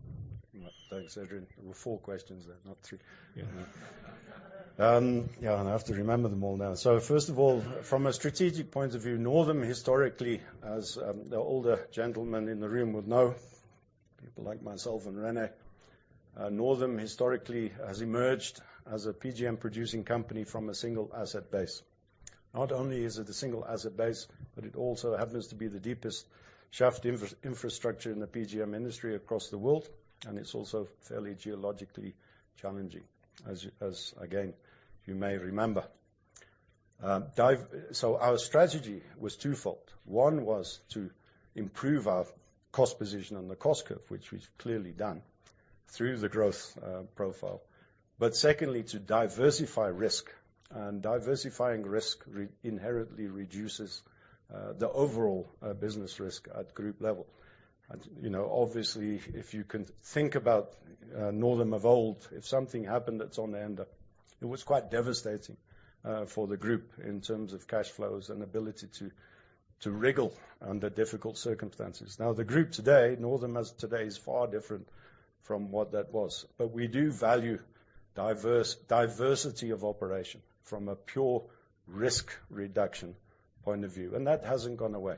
Thanks, Adrian. There were four questions there, not three. Yeah, and I have to remember them all now. So first of all, from a strategic point of view, Northam historically, as the older gentlemen in the room would know, people like myself and René, Northam historically has emerged as a PGM producing company from a single asset base. Not only is it a single asset base, but it also happens to be the deepest shaft infrastructure in the PGM industry across the world, and it's also fairly geologically challenging, as again, you may remember. So our strategy was twofold. One was to improve our cost position on the cost curve, which we've clearly done through the growth profile. But secondly, to diversify risk, and diversifying risk inherently reduces the overall business risk at group level. You know, obviously, if you can think about Northam of old, if something happened, that's on the end, it was quite devastating for the group in terms of cash flows and ability to wriggle under difficult circumstances. Now, the group today, Northam as today, is far different from what that was. But we do value diverse, diversity of operation from a pure risk reduction point of view, and that hasn't gone away.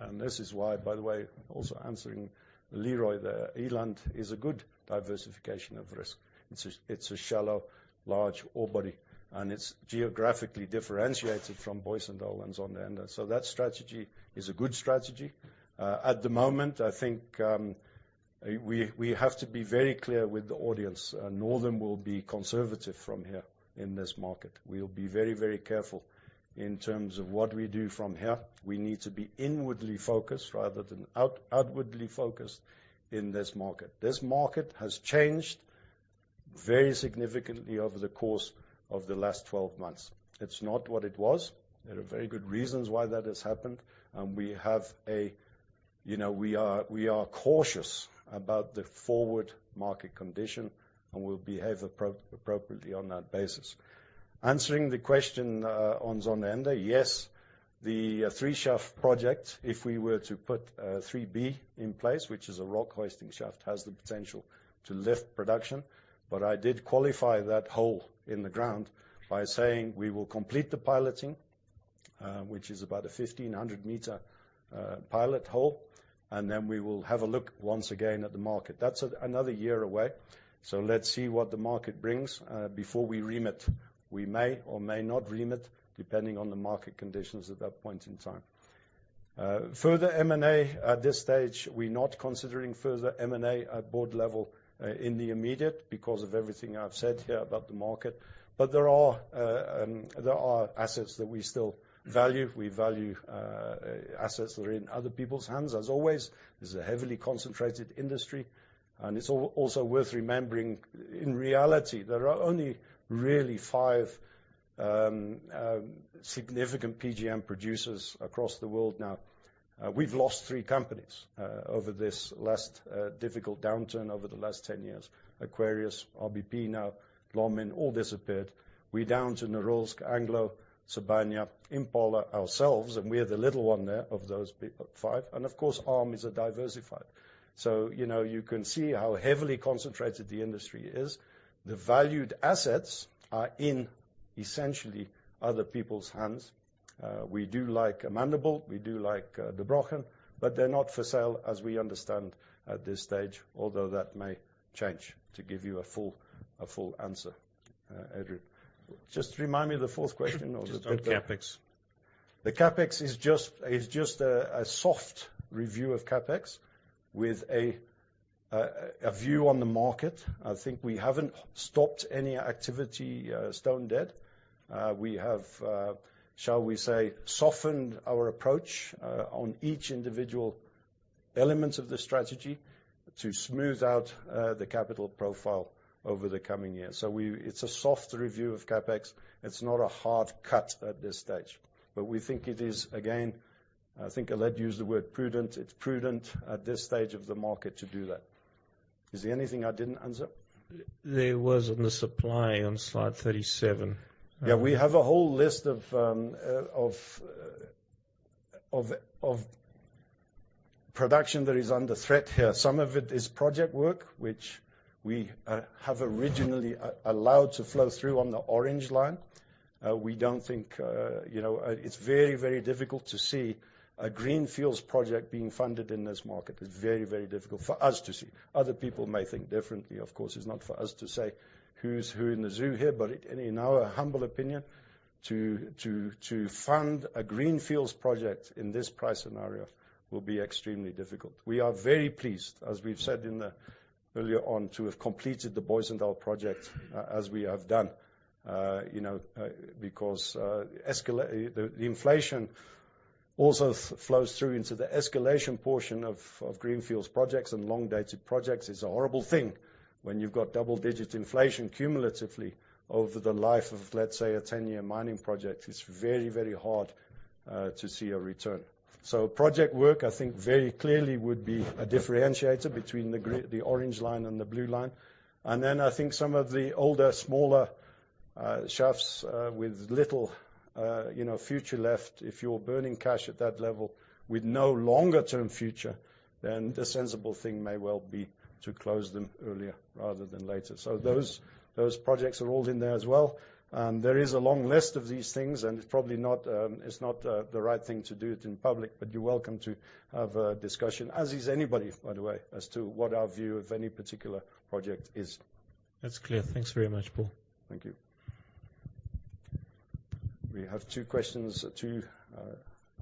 And this is why, by the way, also answering Leroy there, Eland is a good diversification of risk. It's a, it's a shallow, large ore body, and it's geographically differentiated from Booysendal and Zondereinde. So that strategy is a good strategy. At the moment, I think, we have to be very clear with the audience, Northam will be conservative from here in this market. We'll be very, very careful in terms of what we do from here. We need to be inwardly focused rather than outwardly focused in this market. This market has changed very significantly over the course of the last 12 months. It's not what it was. There are very good reasons why that has happened, and we have a. You know, we are cautious about the forward market condition, and we'll behave appropriately on that basis. Answering the question on Zondereinde, yes, the 3 Shaft project, if we were to put 3B in place, which is a rock hosting shaft, has the potential to lift production. But I did qualify that hole in the ground by saying we will complete the piloting, which is about a 1,500m pilot hole, and then we will have a look once again at the market. That's another year away, so let's see what the market brings, before we remit. We may or may not remit, depending on the market conditions at that point in time. Further M&A, at this stage, we're not considering further M&A at board level, in the immediate because of everything I've said here about the market. But there are, there are assets that we still value. We value, assets that are in other people's hands. As always, this is a heavily concentrated industry, and it's also worth remembering, in reality, there are only really five significant PGM producers across the world now. We've lost three companies over this last difficult downturn over the last 10 years. Aquarius, RBP, now Lonmin, all disappeared. We're down to Norilsk, Anglo, Sibanye, Impala, ourselves, and we are the little one there of those big five, and of course, ARM is a diversified. So, you know, you can see how heavily concentrated the industry is. The valued assets are in essentially other people's hands. We do like Amandelbult, we do like Der Brochen, but they're not for sale, as we understand at this stage, although that may change, to give you a full, a full answer, Edward. Just remind me the fourth question on the- Just on CapEx. The CapEx is just a soft review of CapEx with a view on the market. I think we haven't stopped any activity stone dead. We have, shall we say, softened our approach on each individual elements of the strategy to smooth out the capital profile over the coming years. So it's a soft review of CapEx. It's not a hard cut at this stage, but we think it is, again, I think Alet used the word prudent. It's prudent at this stage of the market to do that. Is there anything I didn't answer? There was on the supply on slide 37. Yeah, we have a whole list of production that is under threat here. Some of it is project work, which we have originally allowed to flow through on the orange line. You know, it's very, very difficult to see a greenfields project being funded in this market. It's very, very difficult for us to see. Other people may think differently. Of course, it's not for us to say who's who in the zoo here, but in our humble opinion, to fund a greenfields project in this price scenario will be extremely difficult. We are very pleased, as we've said earlier on, to have completed the Booysendal project as we have done, you know, because the inflation also flows through into the escalation portion of greenfields projects and long-dated projects. It's a horrible thing when you've got double-digit inflation cumulatively over the life of, let's say, a 10-year mining project. It's very, very hard to see a return. So project work, I think, very clearly would be a differentiator between the green, the orange line and the blue line. And then I think some of the older, smaller shafts with little, you know, future left. If you're burning cash at that level with no longer-term future, then the sensible thing may well be to close them earlier rather than later. So those projects are all in there as well. There is a long list of these things, and it's probably not the right thing to do it in public, but you're welcome to have a discussion, as is anybody, by the way, as to what our view of any particular project is. That's clear. Thanks very much, Paul. Thank you. We have two questions, two,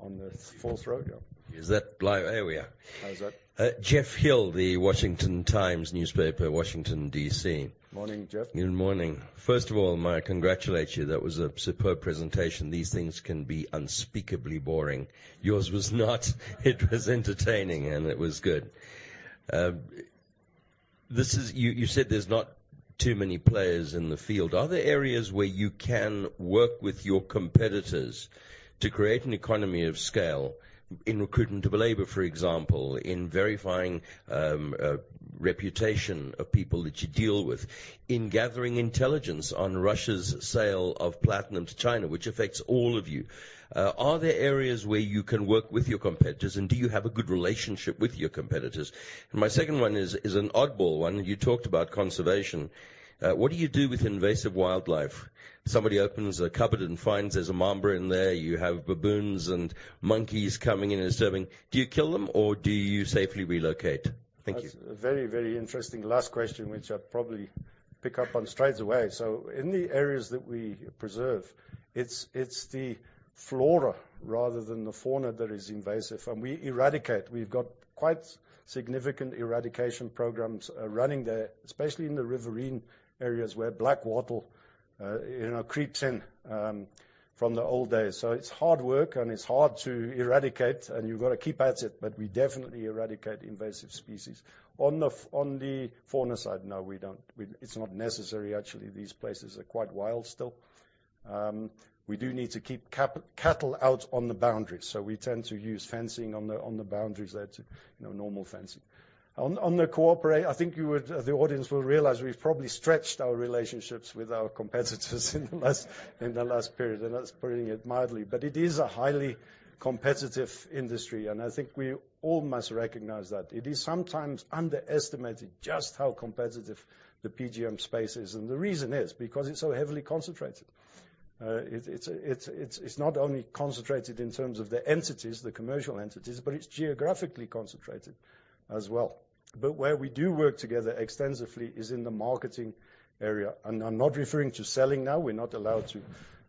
on the fourth row. Yeah. Is that live? There we are. How's that? Geoff Hill, The Washington Times newspaper, Washington, D.C. Morning, Jeff. Good morning. First of all, may I congratulate you. That was a superb presentation. These things can be unspeakably boring. Yours was not. It was entertaining, and it was good. You said there's not too many players in the field. Are there areas where you can work with your competitors to create an economy of scale in recruitment of labor, for example, in verifying reputation of people that you deal with, in gathering intelligence on Russia's sale of platinum to China, which affects all of you? Are there areas where you can work with your competitors, and do you have a good relationship with your competitors? And my second one is an oddball one. You talked about conservation. What do you do with invasive wildlife? Somebody opens a cupboard and finds there's a mamba in there. You have baboons and monkeys coming in and serving. Do you kill them or do you safely relocate? Thank you. That's a very, very interesting last question, which I'll probably pick up on straight away. So in the areas that we preserve, it's the flora rather than the fauna that is invasive, and we eradicate. We've got quite significant eradication programs running there, especially in the riverine areas where black wattle you know creeps in from the old days. So it's hard work, and it's hard to eradicate, and you've got to keep at it, but we definitely eradicate invasive species. On the fauna side, no, we don't. It's not necessary, actually. These places are quite wild still. We do need to keep cattle out on the boundaries, so we tend to use fencing on the boundaries there to you know normal fencing. On the corporate, I think the audience will realize we've probably stretched our relationships with our competitors in the last period, and that's putting it mildly. But it is a highly competitive industry, and I think we all must recognize that. It is sometimes underestimated just how competitive the PGM space is, and the reason is because it's so heavily concentrated. It's not only concentrated in terms of the entities, the commercial entities, but it's geographically concentrated as well. But where we do work together extensively is in the marketing area, and I'm not referring to selling now. We're not allowed to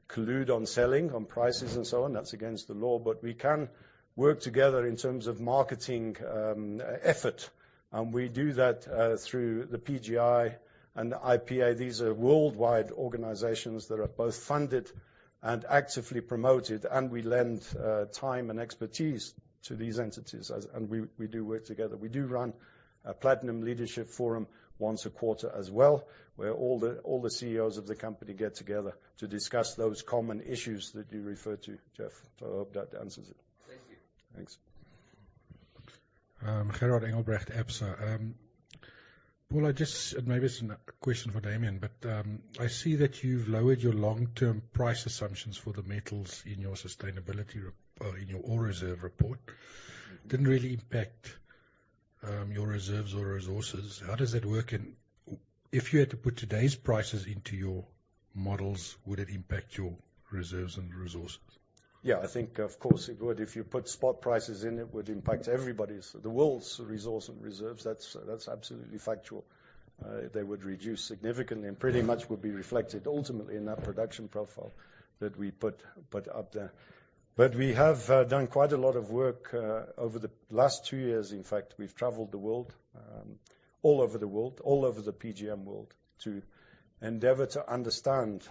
collude on selling, on prices and so on. That's against the law, but we can work together in terms of marketing effort, and we do that through the PGI and the IPA. These are worldwide organizations that are both funded and actively promoted, and we lend time and expertise to these entities as, and we do work together. We do run a Platinum Leadership Forum once a quarter as well, where all the CEOs of the company get together to discuss those common issues that you referred to, Jeff. So I hope that answers it. Thank you. Thanks. Gerhard Engelbrecht, Absa. Paul, I just, maybe it's a question for Damian, but, I see that you've lowered your long-term price assumptions for the metals in your sustainability rep or in your ore reserve repor. Didn't really impact your reserves or resources. How does that work, and if you had to put today's prices into your models, would it impact your reserves or resources? Yeah, I think, of course, it would. If you put spot prices in, it would impact everybody's, the world's resource and reserves. That's absolutely factual. They would reduce significantly and pretty much would be reflected ultimately in that production profile that we put up there. But we have done quite a lot of work over the last two years. In fact, we've traveled the world, all over the world, all over the PGM world, to endeavor to understand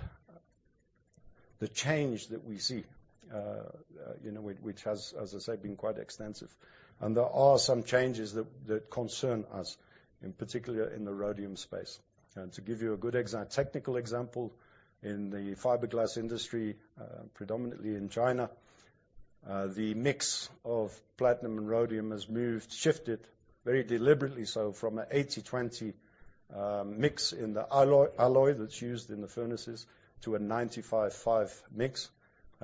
the change that we see, you know, which has, as I said, been quite extensive. And there are some changes that concern us, in particular in the rhodium space. And to give you a good Technical example, in the fiberglass industry, predominantly in China, the mix of platinum and rhodium has moved, shifted very deliberately so from an 80/20, mix in the alloy, alloy that's used in the furnaces to a 95/5 mix.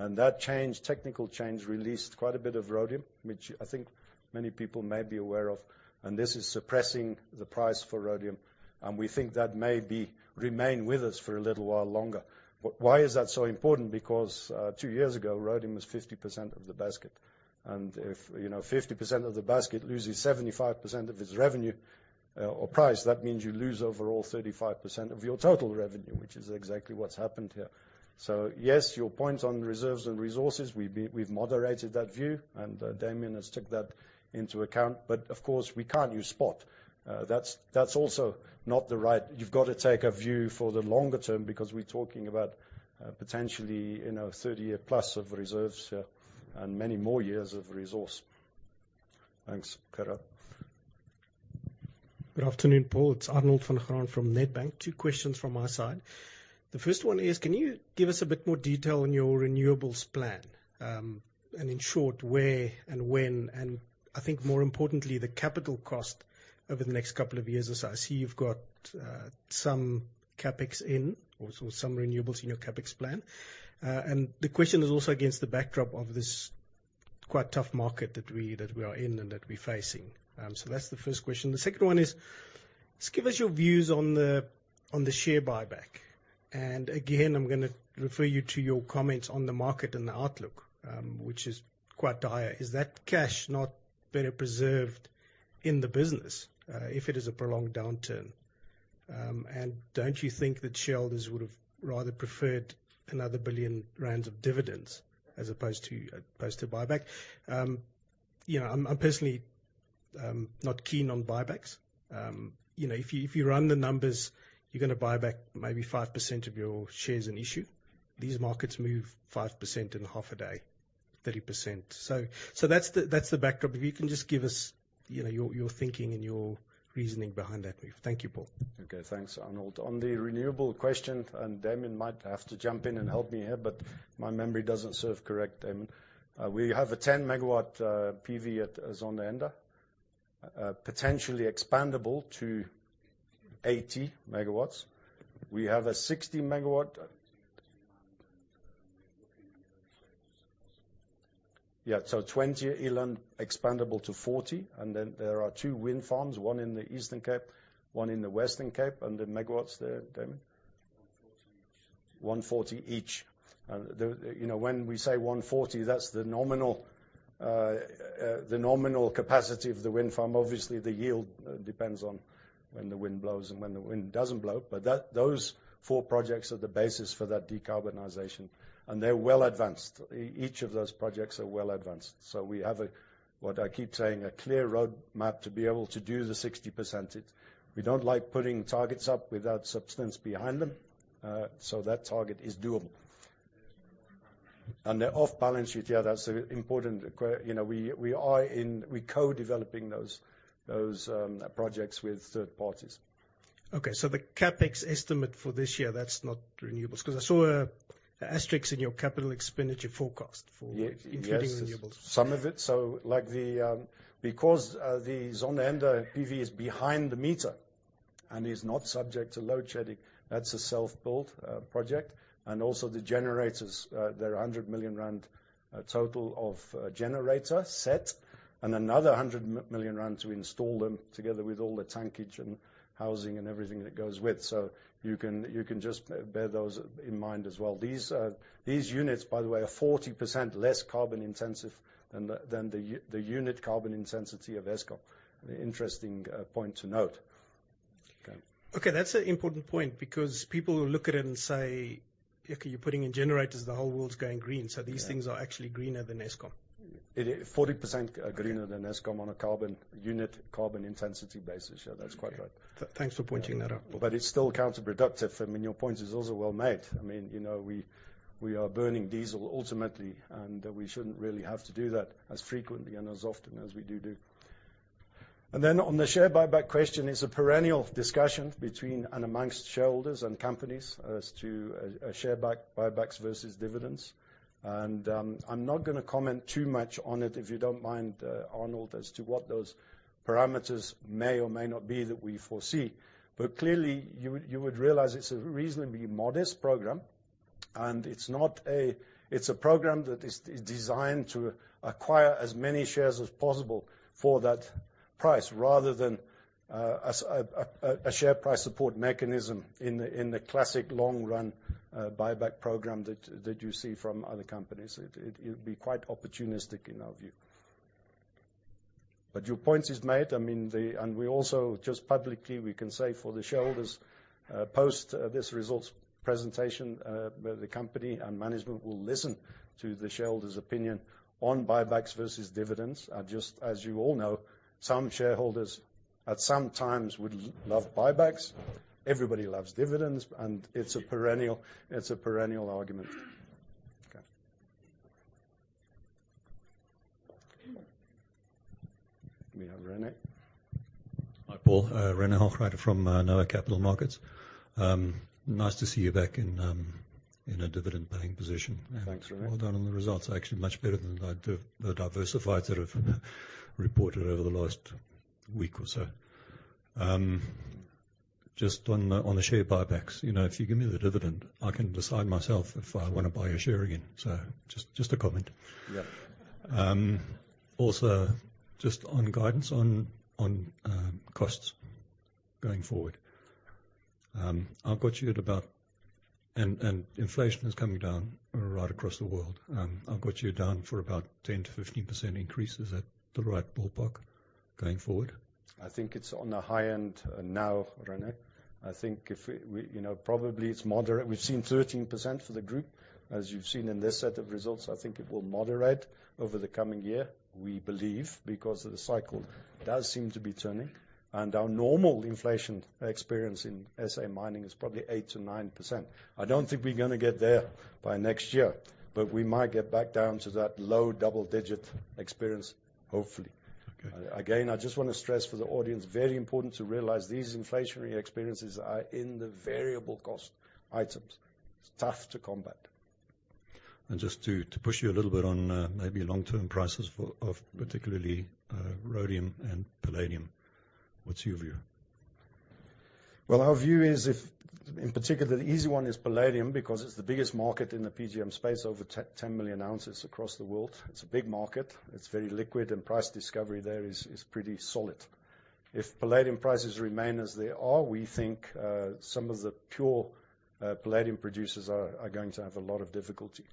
And that change, technical change, released quite a bit of rhodium, which I think many people may be aware of, and this is suppressing the price for rhodium, and we think that may be remain with us for a little while longer. But why is that so important? Because, two years ago, rhodium was 50% of the basket, and if, you know, 50% of the basket loses 75% of its revenue, or price, that means you lose overall 35% of your total revenue, which is exactly what's happened here. So yes, your point on reserves and resources, we've moderated that view, and Damian has took that into account, but of course, we can't use spot. That's also not the right. You've got to take a view for the longer term, because we're talking about potentially, you know, 30-year plus of reserves, and many more years of resource. Thanks, Gerard. Good afternoon, Paul. It's Arnold Van Graan from Nedbank. Two questions from my side. The first one is, can you give us a bit more detail on your renewables plan? And in short, where and when, and I think more importantly, the capital cost over the next couple of years, as I see you've got, some CapEx in, or so some renewables in your CapEx plan. And the question is also against the backdrop of this quite tough market that we, that we are in and that we're facing. So that's the first question. The second one is, just give us your views on the, on the share buyback. And again, I'm gonna refer you to your comments on the market and the outlook, which is quite dire. Is that cash not better preserved in the business, if it is a prolonged downturn? And don't you think that shareholders would have rather preferred another 1 billion rand of dividends as opposed to buyback? You know, I'm personally not keen on buybacks. You know, if you run the numbers, you're gonna buy back maybe 5% of your shares in issue. These markets move 5% in half a day, 30%. So that's the backdrop. If you can just give us, you know, your thinking and your reasoning behind that move. Thank you, Paul. Okay, thanks, Arnold. On the renewable question, and Damian might have to jump in and help me here, but my memory doesn't serve correct, Damian. We have a 10MW PV at Zondereinde potentially expandable to 80 megawatts. We have a 60MW. Yeah, so 20 Eland expandable to 40, and then there are two wind farms, one in the Eastern Cape, one in the Western Cape, and the megawatts there, Damian? 140 each. 140 each. And the, you know, when we say 140, that's the nominal capacity of the wind farm. Obviously, the yield depends on when the wind blows and when the wind doesn't blow. But that, those four projects are the basis for that decarbonization, and they're well advanced. Each of those projects are well advanced, so we have a, what I keep saying, a clear roadmap to be able to do the 60%. We don't like putting targets up without substance behind them, so that target is doable. And they're off balance sheet. Yeah, that's important. You know, we're co-developing those projects with third parties. Okay, so the CapEx estimate for this year, that's not renewables? 'Cause I saw a asterisk in your capital expenditure forecast for- Yes. Including renewables. Some of it, so, like the Because the Zondereinde PV is behind the meter and is not subject to load shedding, that's a self-built project. And also the generators, they're 100 million rand total of generator set, and another 100 million rand to install them together with all the tankage and housing and everything that goes with. So you can just bear those in mind as well. These units, by the way, are 40% less carbon intensive than the unit carbon intensity of Eskom. An interesting point to note. Okay. Okay, that's an important point, because people will look at it and say, "Okay, you're putting in generators. The whole world's going green. Yeah. These things are actually greener than Eskom. It is 40% greener than Eskom on a carbon unit, carbon intensity basis. Yeah, that's quite right. Thanks for pointing that out. But it's still counterproductive. I mean, your point is also well made. I mean, you know, we are burning diesel ultimately, and we shouldn't really have to do that as frequently and as often as we do. And then on the share buyback question, it's a perennial discussion between and amongst shareholders and companies as to share back, buybacks versus dividends. And I'm not gonna comment too much on it, if you don't mind, Arnold, as to what those parameters may or may not be that we foresee. But clearly, you would realize it's a reasonably modest program, and it's not a. It's a program that is designed to acquire as many shares as possible for that price, rather than as a share price support mechanism in the classic long run buyback program that you see from other companies. It'd be quite opportunistic, in our view. But your point is made. I mean, the... And we also, just publicly, we can say for the shareholders, post this results presentation, the company and management will listen to the shareholders' opinion on buybacks versus dividends. And just as you all know, some shareholders at some times would love buybacks. Everybody loves dividends, and it's a perennial, it's a perennial argument. Okay. We have René. Hi, Paul. René Hochreiter from Noah Capital Markets. Nice to see you back in a dividend paying position. Thanks, René. Well done on the results. Actually much better than the diversifiers that have reported over the last week or so. Just on the share buybacks, you know, if you give me the dividend, I can decide myself if I want to buy a share again. So just a comment. Yeah. Also, just on guidance on costs going forward, I've got you at about Inflation is coming down right across the world. I've got you down for about 10%-15% increases. Is that the right ballpark going forward? I think it's on the high end now, René. I think if we, we, you know, probably it's moderate. We've seen 13% for the group, as you've seen in this set of results. I think it will moderate over the coming year, we believe, because of the cycle does seem to be turning, and our normal inflation experience in SA mining is probably 8%-9%. I don't think we're gonna get there by next year, but we might get back down to that low double digit experience, hopefully. Okay. Again, I just want to stress for the audience, very important to realize these inflationary experiences are in the variable cost items. It's tough to combat. Just to push you a little bit on maybe long-term prices for particularly rhodium and palladium, what's your view? Well, our view is if, in particular, the easy one is palladium, because it's the biggest market in the PGM space, over 10 million ounces across the world. It's a big market, it's very liquid, and price discovery there is pretty solid. If palladium prices remain as they are, we think some of the pure palladium producers are going to have a lot of difficulty.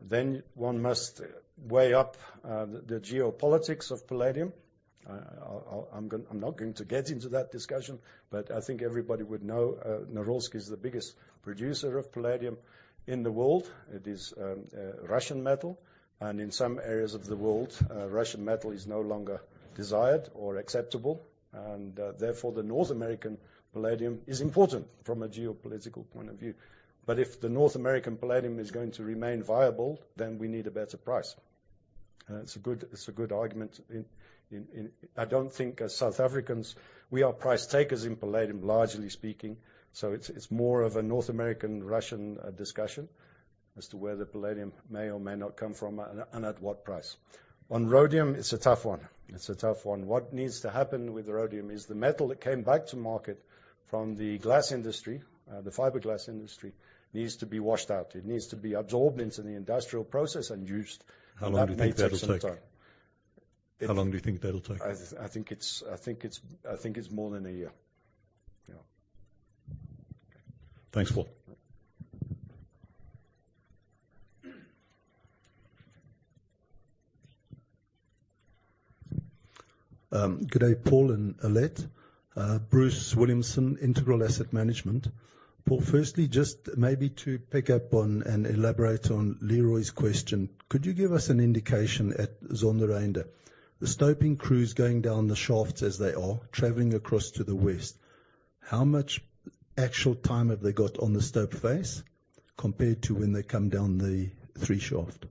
Then one must weigh up the geopolitics of palladium. I'm not going to get into that discussion, but I think everybody would know Norilsk is the biggest producer of palladium in the world. It is a Russian metal, and in some areas of the world, Russian metal is no longer desired or acceptable, and therefore, the North American palladium is important from a geopolitical point of view. But if the North American palladium is going to remain viable, then we need a better price. It's a good argument. I don't think as South Africans, we are price takers in palladium, largely speaking, so it's more of a North American-Russian discussion as to where the palladium may or may not come from and at what price. On rhodium, it's a tough one. It's a tough one. What needs to happen with rhodium is the metal that came back to market from the glass industry, the fiberglass industry, needs to be washed out. It needs to be absorbed into the industrial process and used, and that may take some time. How long do you think that'll take? I think it's more than a year. Yeah. Thanks, Paul. Good day, Paul and Alet. Bruce Williamson, Integral Asset Management. Paul, firstly, just maybe to pick up on and elaborate on Leroy's question, could you give us an indication at Zondereinde, the stoping crews going down the shafts as they are, traveling across to the west, how much actual time have they got on the stope face compared to when they come down the three shaft?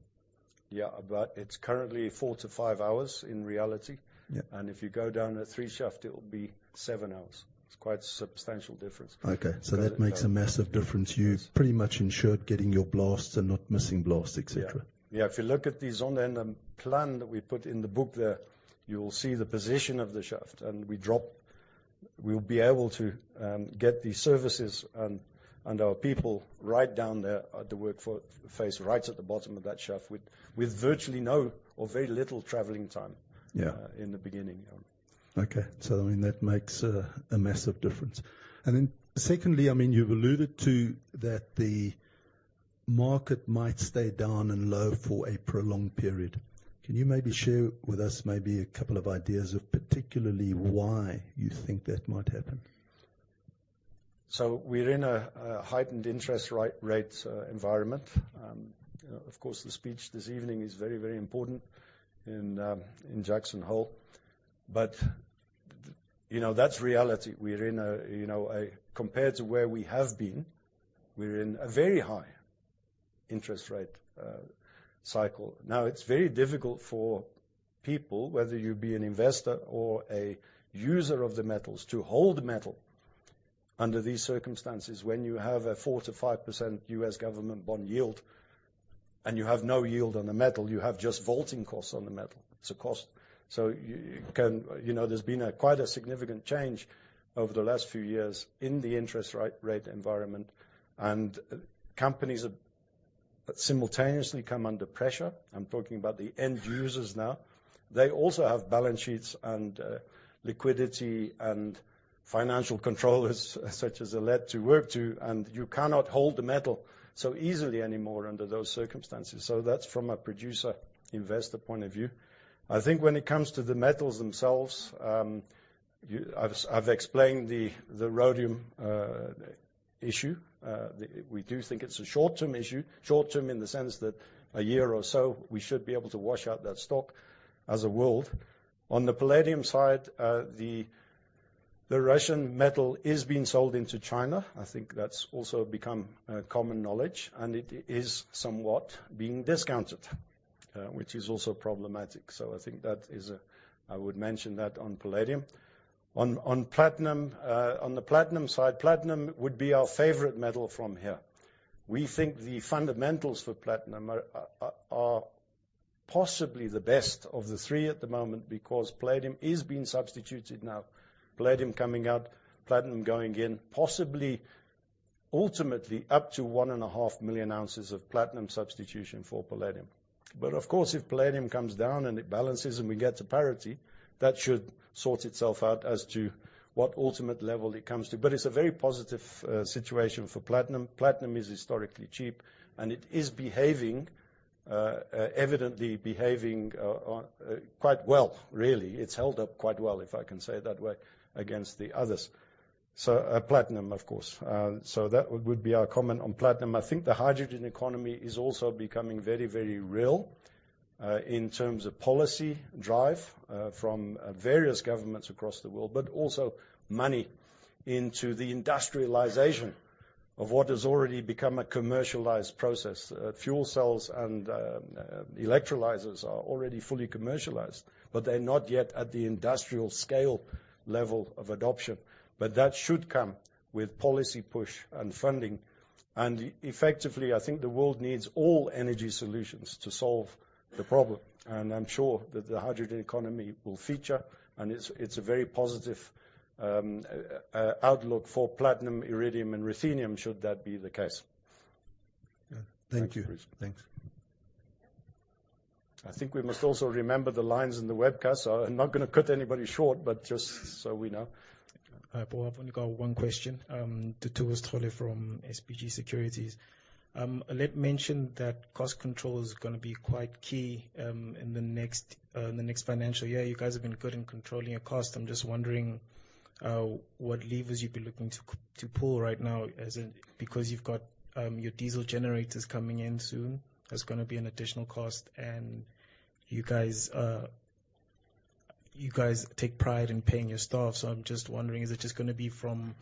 Yeah, about, it's currently four to five hours in reality. Yeah. If you go down the 3 shaft, it'll be seven hours. It's quite a substantial difference. Okay. That makes a massive difference. You've pretty much ensured getting your blasts and not missing blasts, et cetera. Yeah. Yeah, if you look at the Zondereinde plan that we put in the book there, you will see the position of the shaft, and we'll be able to get the services and our people right down there at the work face, right at the bottom of that shaft, with virtually no or very little traveling time- Yeah in the beginning, yeah. Okay, so, I mean, that makes a massive difference. And then, secondly, I mean, you've alluded to that the market might stay down and low for a prolonged period. Can you maybe share with us maybe a couple of ideas of particularly why you think that might happen? So we're in a heightened interest rate environment. Of course, the speech this evening is very, very important in Jackson Hole. But, you know, that's reality. We're in a you know compared to where we have been, we're in a very high interest rate cycle. Now, it's very difficult for people, whether you be an investor or a user of the metals, to hold metal under these circumstances, when you have a 4%-5% U.S. government bond yield, and you have no yield on the metal, you have just vaulting costs on the metal. It's a cost. You know, there's been quite a significant change over the last few years in the interest rate environment, and companies have simultaneously come under pressure. I'm talking about the end users now. They also have balance sheets, and liquidity and financial controllers, such as Alet, to work to, and you cannot hold the metal so easily anymore under those circumstances. So that's from a producer/investor point of view. I think when it comes to the metals themselves, I've explained the rhodium issue. We do think it's a short-term issue. Short term in the sense that a year or so, we should be able to wash out that stock as a world. On the palladium side, the Russian metal is being sold into China. I think that's also become common knowledge, and it is somewhat being discounted, which is also problematic. So I think that is. I would mention that on palladium. On the platinum side, platinum would be our favorite metal from here. We think the fundamentals for platinum are possibly the best of the three at the moment, because palladium is being substituted now. Palladium coming out, platinum going in, possibly ultimately up to 1.5 million ounces of platinum substitution for palladium. But of course, if palladium comes down and it balances and we get to parity, that should sort itself out as to what ultimate level it comes to. But it's a very positive situation for platinum. Platinum is historically cheap, and it is behaving evidently behaving quite well, really. It's held up quite well, if I can say it that way, against the others. So, platinum, of course. So that would be our comment on platinum. I think the hydrogen economy is also becoming very, very real in terms of policy drive from various governments across the world, but also money into the industrialization of what has already become a commercialized process. Fuel cells and electrolyzers are already fully commercialized, but they're not yet at the industrial scale level of adoption. But that should come with policy push and funding, and effectively, I think the world needs all energy solutions to solve the problem, and I'm sure that the hydrogen economy will feature, and it's a very positive outlook for platinum, iridium, and ruthenium, should that be the case. Thank you. Thanks. I think we must also remember the lines in the webcast, so I'm not gonna cut anybody short, but just so we know. Hi, Paul, I've only got one question. Tutu from SBG Securities. Let me mention that cost control is gonna be quite key in the next financial year. You guys have been good in controlling your cost. I'm just wondering what levers you'd be looking to pull right now, as in, because you've got your diesel generators coming in soon, that's gonna be an additional cost, and you guys take pride in paying your staff. So I'm just wondering, is it just gonna be from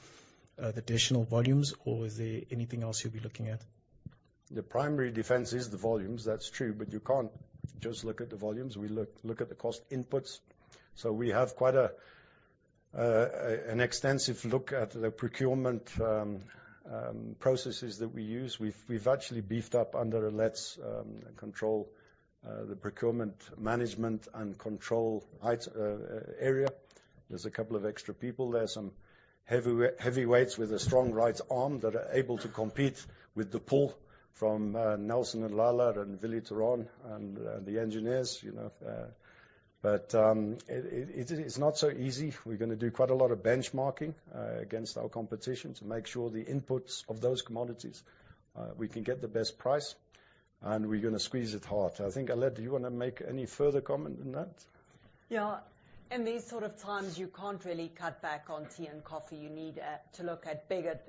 the additional volumes, or is there anything else you'll be looking at? The primary defense is the volumes, that's true, but you can't just look at the volumes. We look at the cost inputs. So we have quite an extensive look at the procurement processes that we use. We've actually beefed up under let's control the procurement management and control it area. There's a couple of extra people there, some heavyweights with a strong right arm that are able to compete with the pull from Nelson and Lala and Willy Theron and the engineers, you know. But it, it's not so easy. We're gonna do quite a lot of benchmarking against our competition to make sure the inputs of those commodities we can get the best price, and we're gonna squeeze it hard. I think, Alet, do you want to make any further comment on that? Yeah. In these sort of times, you can't really cut back on tea and coffee. You need to look at bigger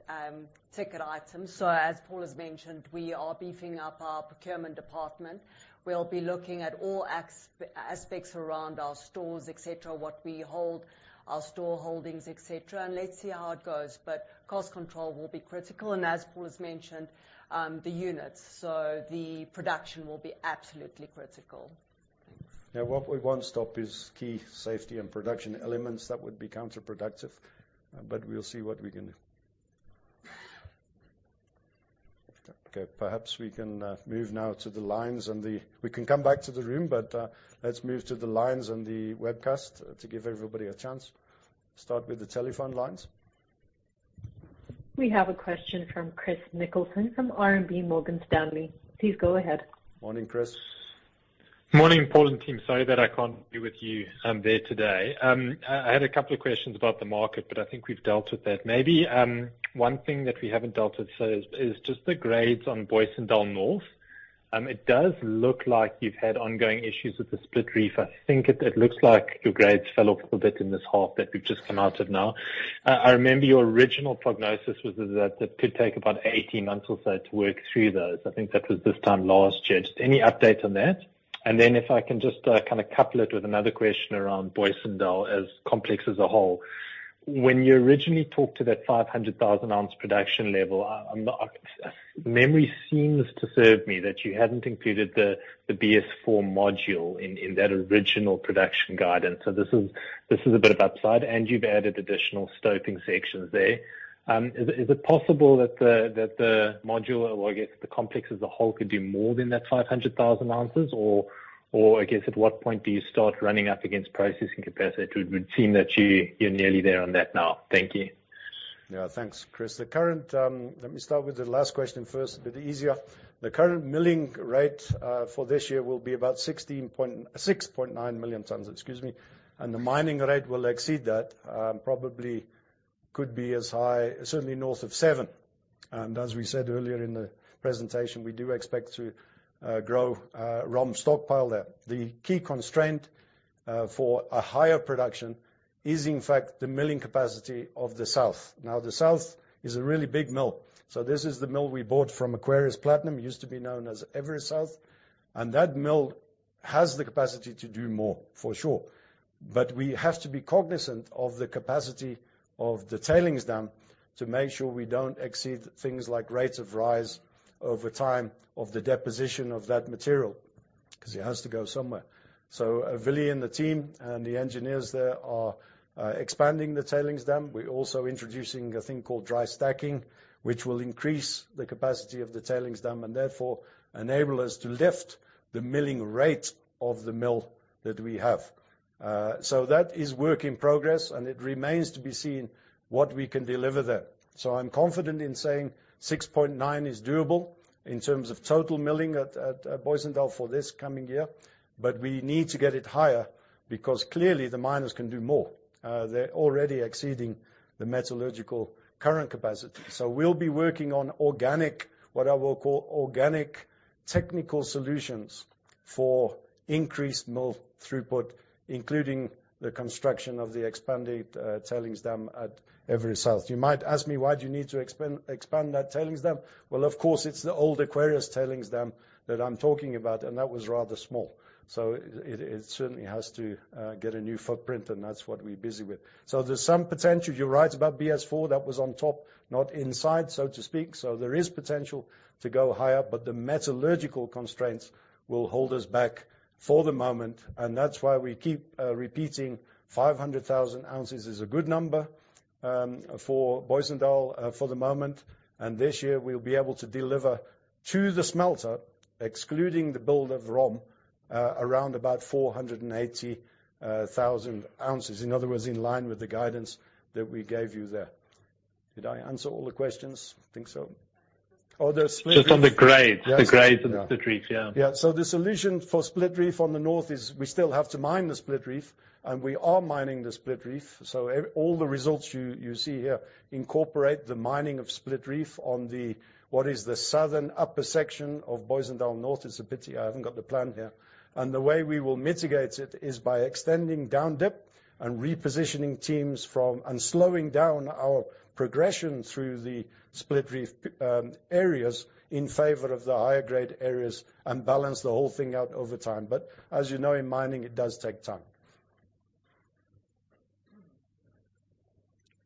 ticket items. So as Paul has mentioned, we are beefing up our procurement department. We'll be looking at all aspects around our stores, et cetera, what we hold, our store holdings, et cetera, and let's see how it goes. But cost control will be critical, and as Paul has mentioned, the units, so the production will be absolutely critical. Now, what we won't stop is key safety and production elements. That would be counterproductive, but we'll see what we can do. Okay, perhaps we can move now to the lines and the. We can come back to the room, but let's move to the lines and the webcast to give everybody a chance. Start with the telephone lines. We have a question from Chris Nicholson, from RMB Morgan Stanley. Please go ahead. Morning, Chris. Morning, Paul and team. Sorry that I can't be with you there today. I had a couple of questions about the market, but I think we've dealt with that. Maybe one thing that we haven't dealt with, so is just the grades on Booysendal North. It does look like you've had ongoing issues with the split reef. I think it looks like your grades fell off a little bit in this half that we've just come out of now. I remember your original prognosis was that could take about 18 months or so to work through those. I think that was this time last year. Just any update on that? And then if I can just kind of couple it with another question around Booysendal as a complex as a whole. When you originally talked to that 500,000 ounce production level, memory seems to serve me, that you hadn't included the BS4 module in that original production guidance. So this is a bit of upside, and you've added additional stoping sections there. Is it possible that the module, or I guess, the complex as a whole, could do more than that 500,000 ounces, or I guess at what point do you start running up against processing capacity? It would seem that you're nearly there on that now. Thank you. Yeah, thanks, Chris. Let me start with the last question first, a bit easier. The current milling rate for this year will be about 16.69 million tons, excuse me, and the mining rate will exceed that, probably could be as high, certainly north of 7. And as we said earlier in the presentation, we do expect to grow ROM stockpile there. The key constraint for a higher production is, in fact, the milling capacity of the south. Now, the south is a really big mill, so this is the mill we bought from Aquarius Platinum, used to be known as Everest South, and that mill has the capacity to do more, for sure. But we have to be cognizant of the capacity of the tailings dam to make sure we don't exceed things like rates of rise over time, of the deposition of that material, because it has to go somewhere. So Willy and the team and the engineers there are expanding the tailings dam. We're also introducing a thing called dry stacking, which will increase the capacity of the tailings dam, and therefore enable us to lift the milling rate of the mill that we have. So that is work in progress, and it remains to be seen what we can deliver there. So I'm confident in saying 6.9 is doable in terms of total milling at Booysendal for this coming year, but we need to get it higher, because clearly, the miners can do more. They're already exceeding the metallurgical current capacity. So we'll be working on organic, what I will call organic technical solutions for increased mill throughput, including the construction of the expanded tailings dam at Booysendal South. You might ask me: Why do you need to expand that tailings dam? Well, of course, it's the old Aquarius tailings dam that I'm talking about, and that was rather small. So it certainly has to get a new footprint, and that's what we're busy with. So there's some potential. You're right about BS4, that was on top, not inside, so to speak. So there is potential to go higher, but the metallurgical constraints will hold us back for the moment, and that's why we keep repeating, 500,000 ounces is a good number for Booysendal for the moment, and this year, we'll be able to deliver to the smelter-... excluding the build of ROM, around about 480,000 ounces. In other words, in line with the guidance that we gave you there. Did I answer all the questions? I think so. Oh, there's split- Just on the grades- Yes. The grades and the Split Reef, yeah. Yeah, so the solution for Split Reef on the north is we still have to mine the Split Reef, and we are mining the Split Reef. So all the results you see here incorporate the mining of Split Reef on the, what is the southern upper section of Booysendal North. It's a pity I haven't got the plan here. And the way we will mitigate it is by extending down dip and repositioning teams from and slowing down our progression through the Split Reef areas in favor of the higher grade areas, and balance the whole thing out over time. But as you know, in mining, it does take time.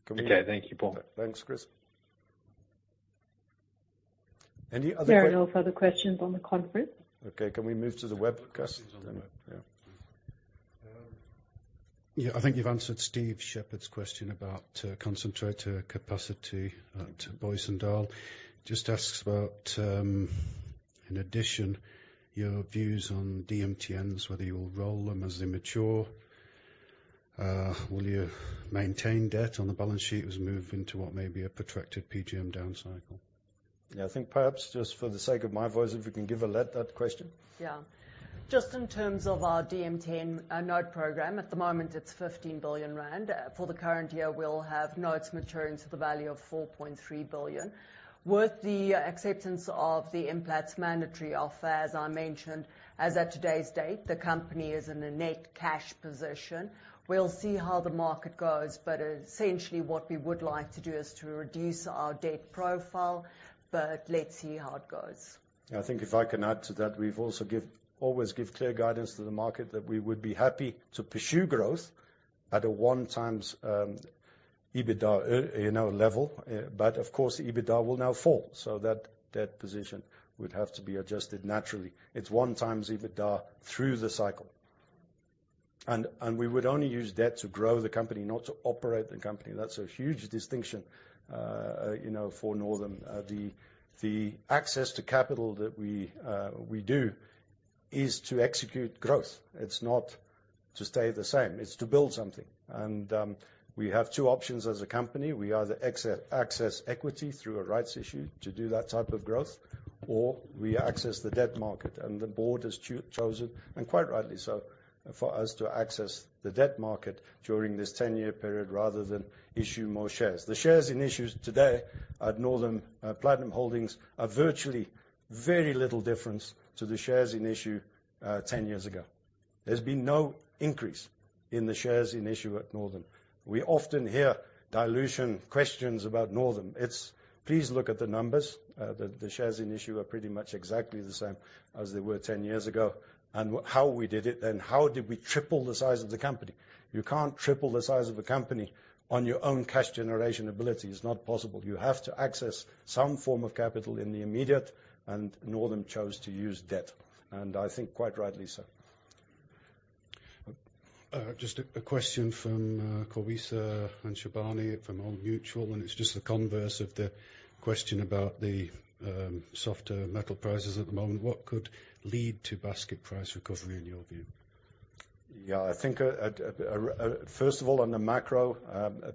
Can we- Okay, thank you, Paul. Thanks, Chris. Any other- There are no further questions on the conference. Okay, can we move to the webcast? Move to the web, yeah. Yeah, I think you've answered Steve Shepherd's question about concentrator capacity at Booysendal. Just asks about, in addition, your views on DMTNs, whether you will roll them as they mature, will you maintain debt on the balance sheet as move into what may be a protracted PGM down cycle? Yeah, I think perhaps just for the sake of my voice, if we can give Alet that question. Yeah. Just in terms of our DMTN note program, at the moment, it's 15 billion rand. For the current year, we'll have notes maturing to the value of 4.3 billion. With the acceptance of the Implats mandatory offer, as I mentioned, as at today's date, the company is in a net cash position. We'll see how the market goes, but essentially, what we would like to do is to reduce our debt profile, but let's see how it goes. Yeah, I think if I can add to that, we've also give, always give clear guidance to the market that we would be happy to pursue growth at a 1x EBITDA, you know, level. But of course, EBITDA will now fall, so that debt position would have to be adjusted naturally. It's 1x EBITDA through the cycle. And we would only use debt to grow the company, not to operate the company. That's a huge distinction, you know, for Northam. The access to capital that we do is to execute growth. It's not to stay the same, it's to build something. And we have two options as a company. We either access equity through a rights issue to do that type of growth, or we access the debt market, and the board has chosen, and quite rightly so, for us to access the debt market during this 10-year period, rather than issue more shares. The shares in issue today at Northam Platinum Holdings are virtually very little difference to the shares in issue 10 years ago. There's been no increase in the shares in issue at Northam. We often hear dilution questions about Northam. Please look at the numbers. The shares in issue are pretty much exactly the same as they were 10 years ago, and how we did it, and how did we triple the size of the company? You can't triple the size of a company on your own cash generation ability. It's not possible. You have to access some form of capital in the immediate, and Northam chose to use debt, and I think quite rightly so. Just a question from Khawisa and Shabani from Old Mutual, and it's just the converse of the question about the softer metal prices at the moment. What could lead to basket price recovery, in your view? Yeah, I think, first of all, on the macro,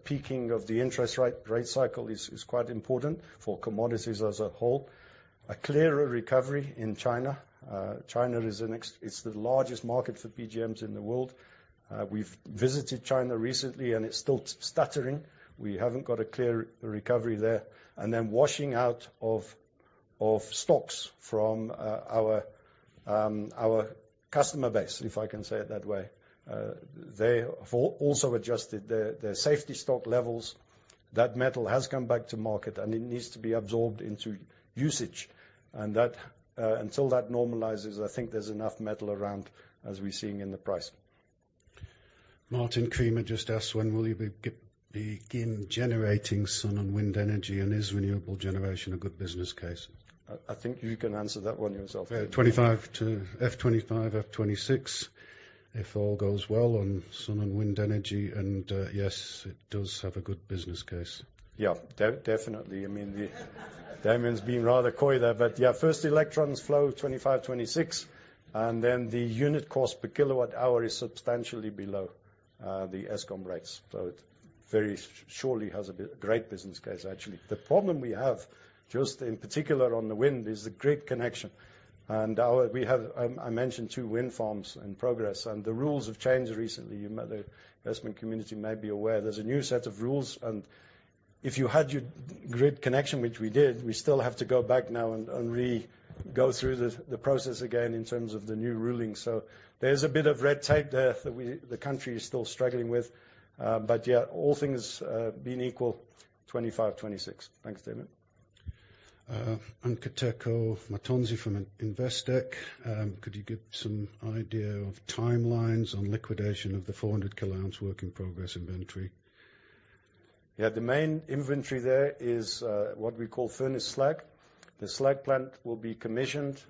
peaking of the interest rate, rate cycle is quite important for commodities as a whole. A clearer recovery in China. China is the next, it's the largest market for PGMs in the world. We've visited China recently, and it's still stuttering. We haven't got a clear recovery there. And then washing out of stocks from our customer base, if I can say it that way. They have also adjusted their safety stock levels. That metal has come back to market, and it needs to be absorbed into usage, and that until that normalizes, I think there's enough metal around, as we're seeing in the price. Martin Creamer just asked, when will you begin generating sun and wind energy, and is renewable generation a good business case? I think you can answer that one yourself. Yeah, 25 to FY25, FY26, if all goes well on solar and wind energy, and yes, it does have a good business case. Yeah, definitely. I mean, the Damian's being rather coy there, but yeah, first electrons flow 2025-2026, and then the unit cost per kilowatt hour is substantially below the Eskom rates, so it very surely has a great business case, actually. The problem we have, just in particular on the wind, is the grid connection. We have, I mentioned two wind farms in progress, and the rules have changed recently. The investment community may be aware there's a new set of rules, and if you had your grid connection, which we did, we still have to go back now and go through the process again in terms of the new ruling. So there's a bit of red tape there that the country is still struggling with, but yeah, all things being equal, 2025-2026. Thanks, Damian. Nkateko Mathonsi from Investec. Could you give some idea of timelines on liquidation of the 400 kilo ounce work in progress inventory? Yeah, the main inventory there is what we call furnace slag. The slag plant will be commissioned,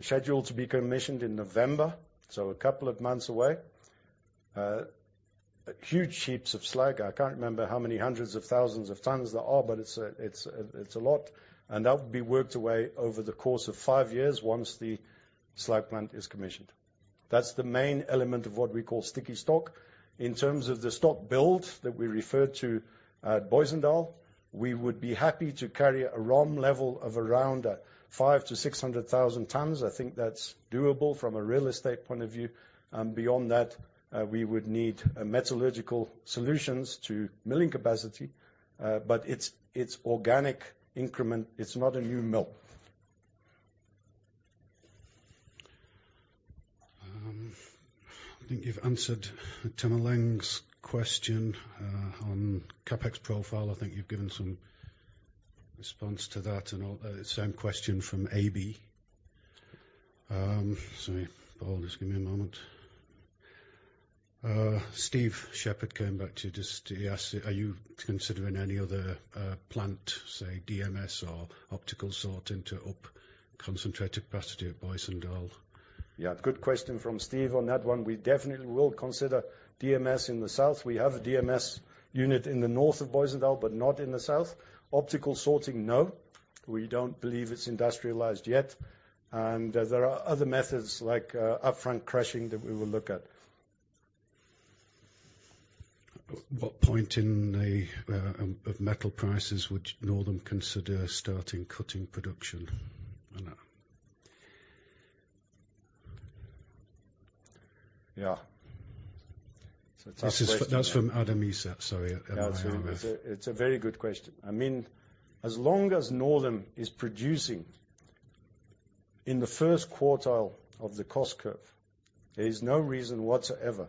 scheduled to be commissioned in November, so a couple of months away. Huge heaps of slag. I can't remember how many hundreds of thousands of tons there are, but it's a lot, and that will be worked away over the course of five years, once the slag plant is commissioned. That's the main element of what we call sticky stock. In terms of the stock build that we referred to at Booysendal, we would be happy to carry a ROM level of around 500,000-600,000 tons. I think that's doable from a real estate point of view, and beyond that, we would need a metallurgical solutions to milling capacity, but it's organic increment. It's not a new mill. I think you've answered Tim Leng's question on CapEx profile. I think you've given some response to that and all, same question from AB. Sorry, Paul, just give me a moment. Steve Shepherd came back to just to ask, are you considering any other plant, say, DMS or optical sorting, to up concentrate capacity at Booysendal? Yeah, good question from Steve on that one. We definitely will consider DMS in the south. We have a DMS unit in the north of Booysendal, but not in the south. Optical sorting, no, we don't believe it's industrialized yet, and there are other methods, like, upfront crushing, that we will look at. What point in the of metal prices would Northam consider starting cutting production? I know. Yeah, it's a tough question. That's from Adam Isa. Sorry, I don't know who he is. It's a very good question. I mean, as long as Northam is producing in the first quartile of the cost curve, there is no reason whatsoever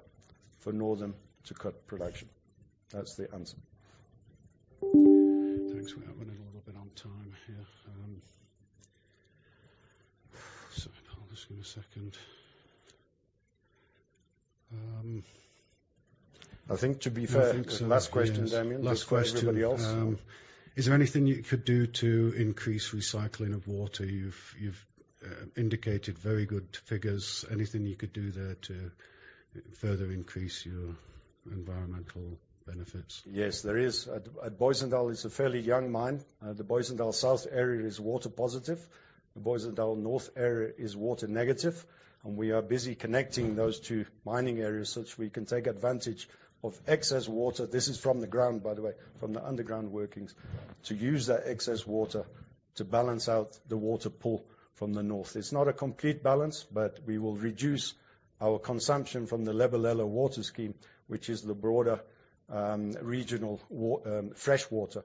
for Northam to cut production. That's the answer. Thanks. We are running a little bit on time here. Sorry, just give me a second. I think, to be fair, last question, Damian- Last question. For everybody else. Is there anything you could do to increase recycling of water? You've indicated very good figures. Anything you could do there to further increase your environmental benefits? Yes, there is. At Booysendal, it's a fairly young mine. The Booysendal South area is water positive. The Booysendal North area is water negative, and we are busy connecting those two mining areas such we can take advantage of excess water. This is from the ground, by the way, from the underground workings. To use that excess water to balance out the water pull from the north. It's not a complete balance, but we will reduce our consumption from the Lebalelo water scheme, which is the broader regional fresh water.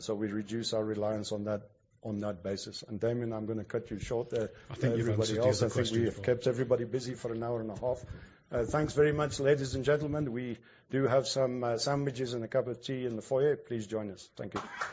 So we reduce our reliance on that, on that basis. And Damian, I'm going to cut you short there. I think you've answered his question. I think we have kept everybody busy for an hour and a half. Thanks very much, ladies and gentlemen. We do have some sandwiches and a cup of tea in the foyer. Please join us. Thank you.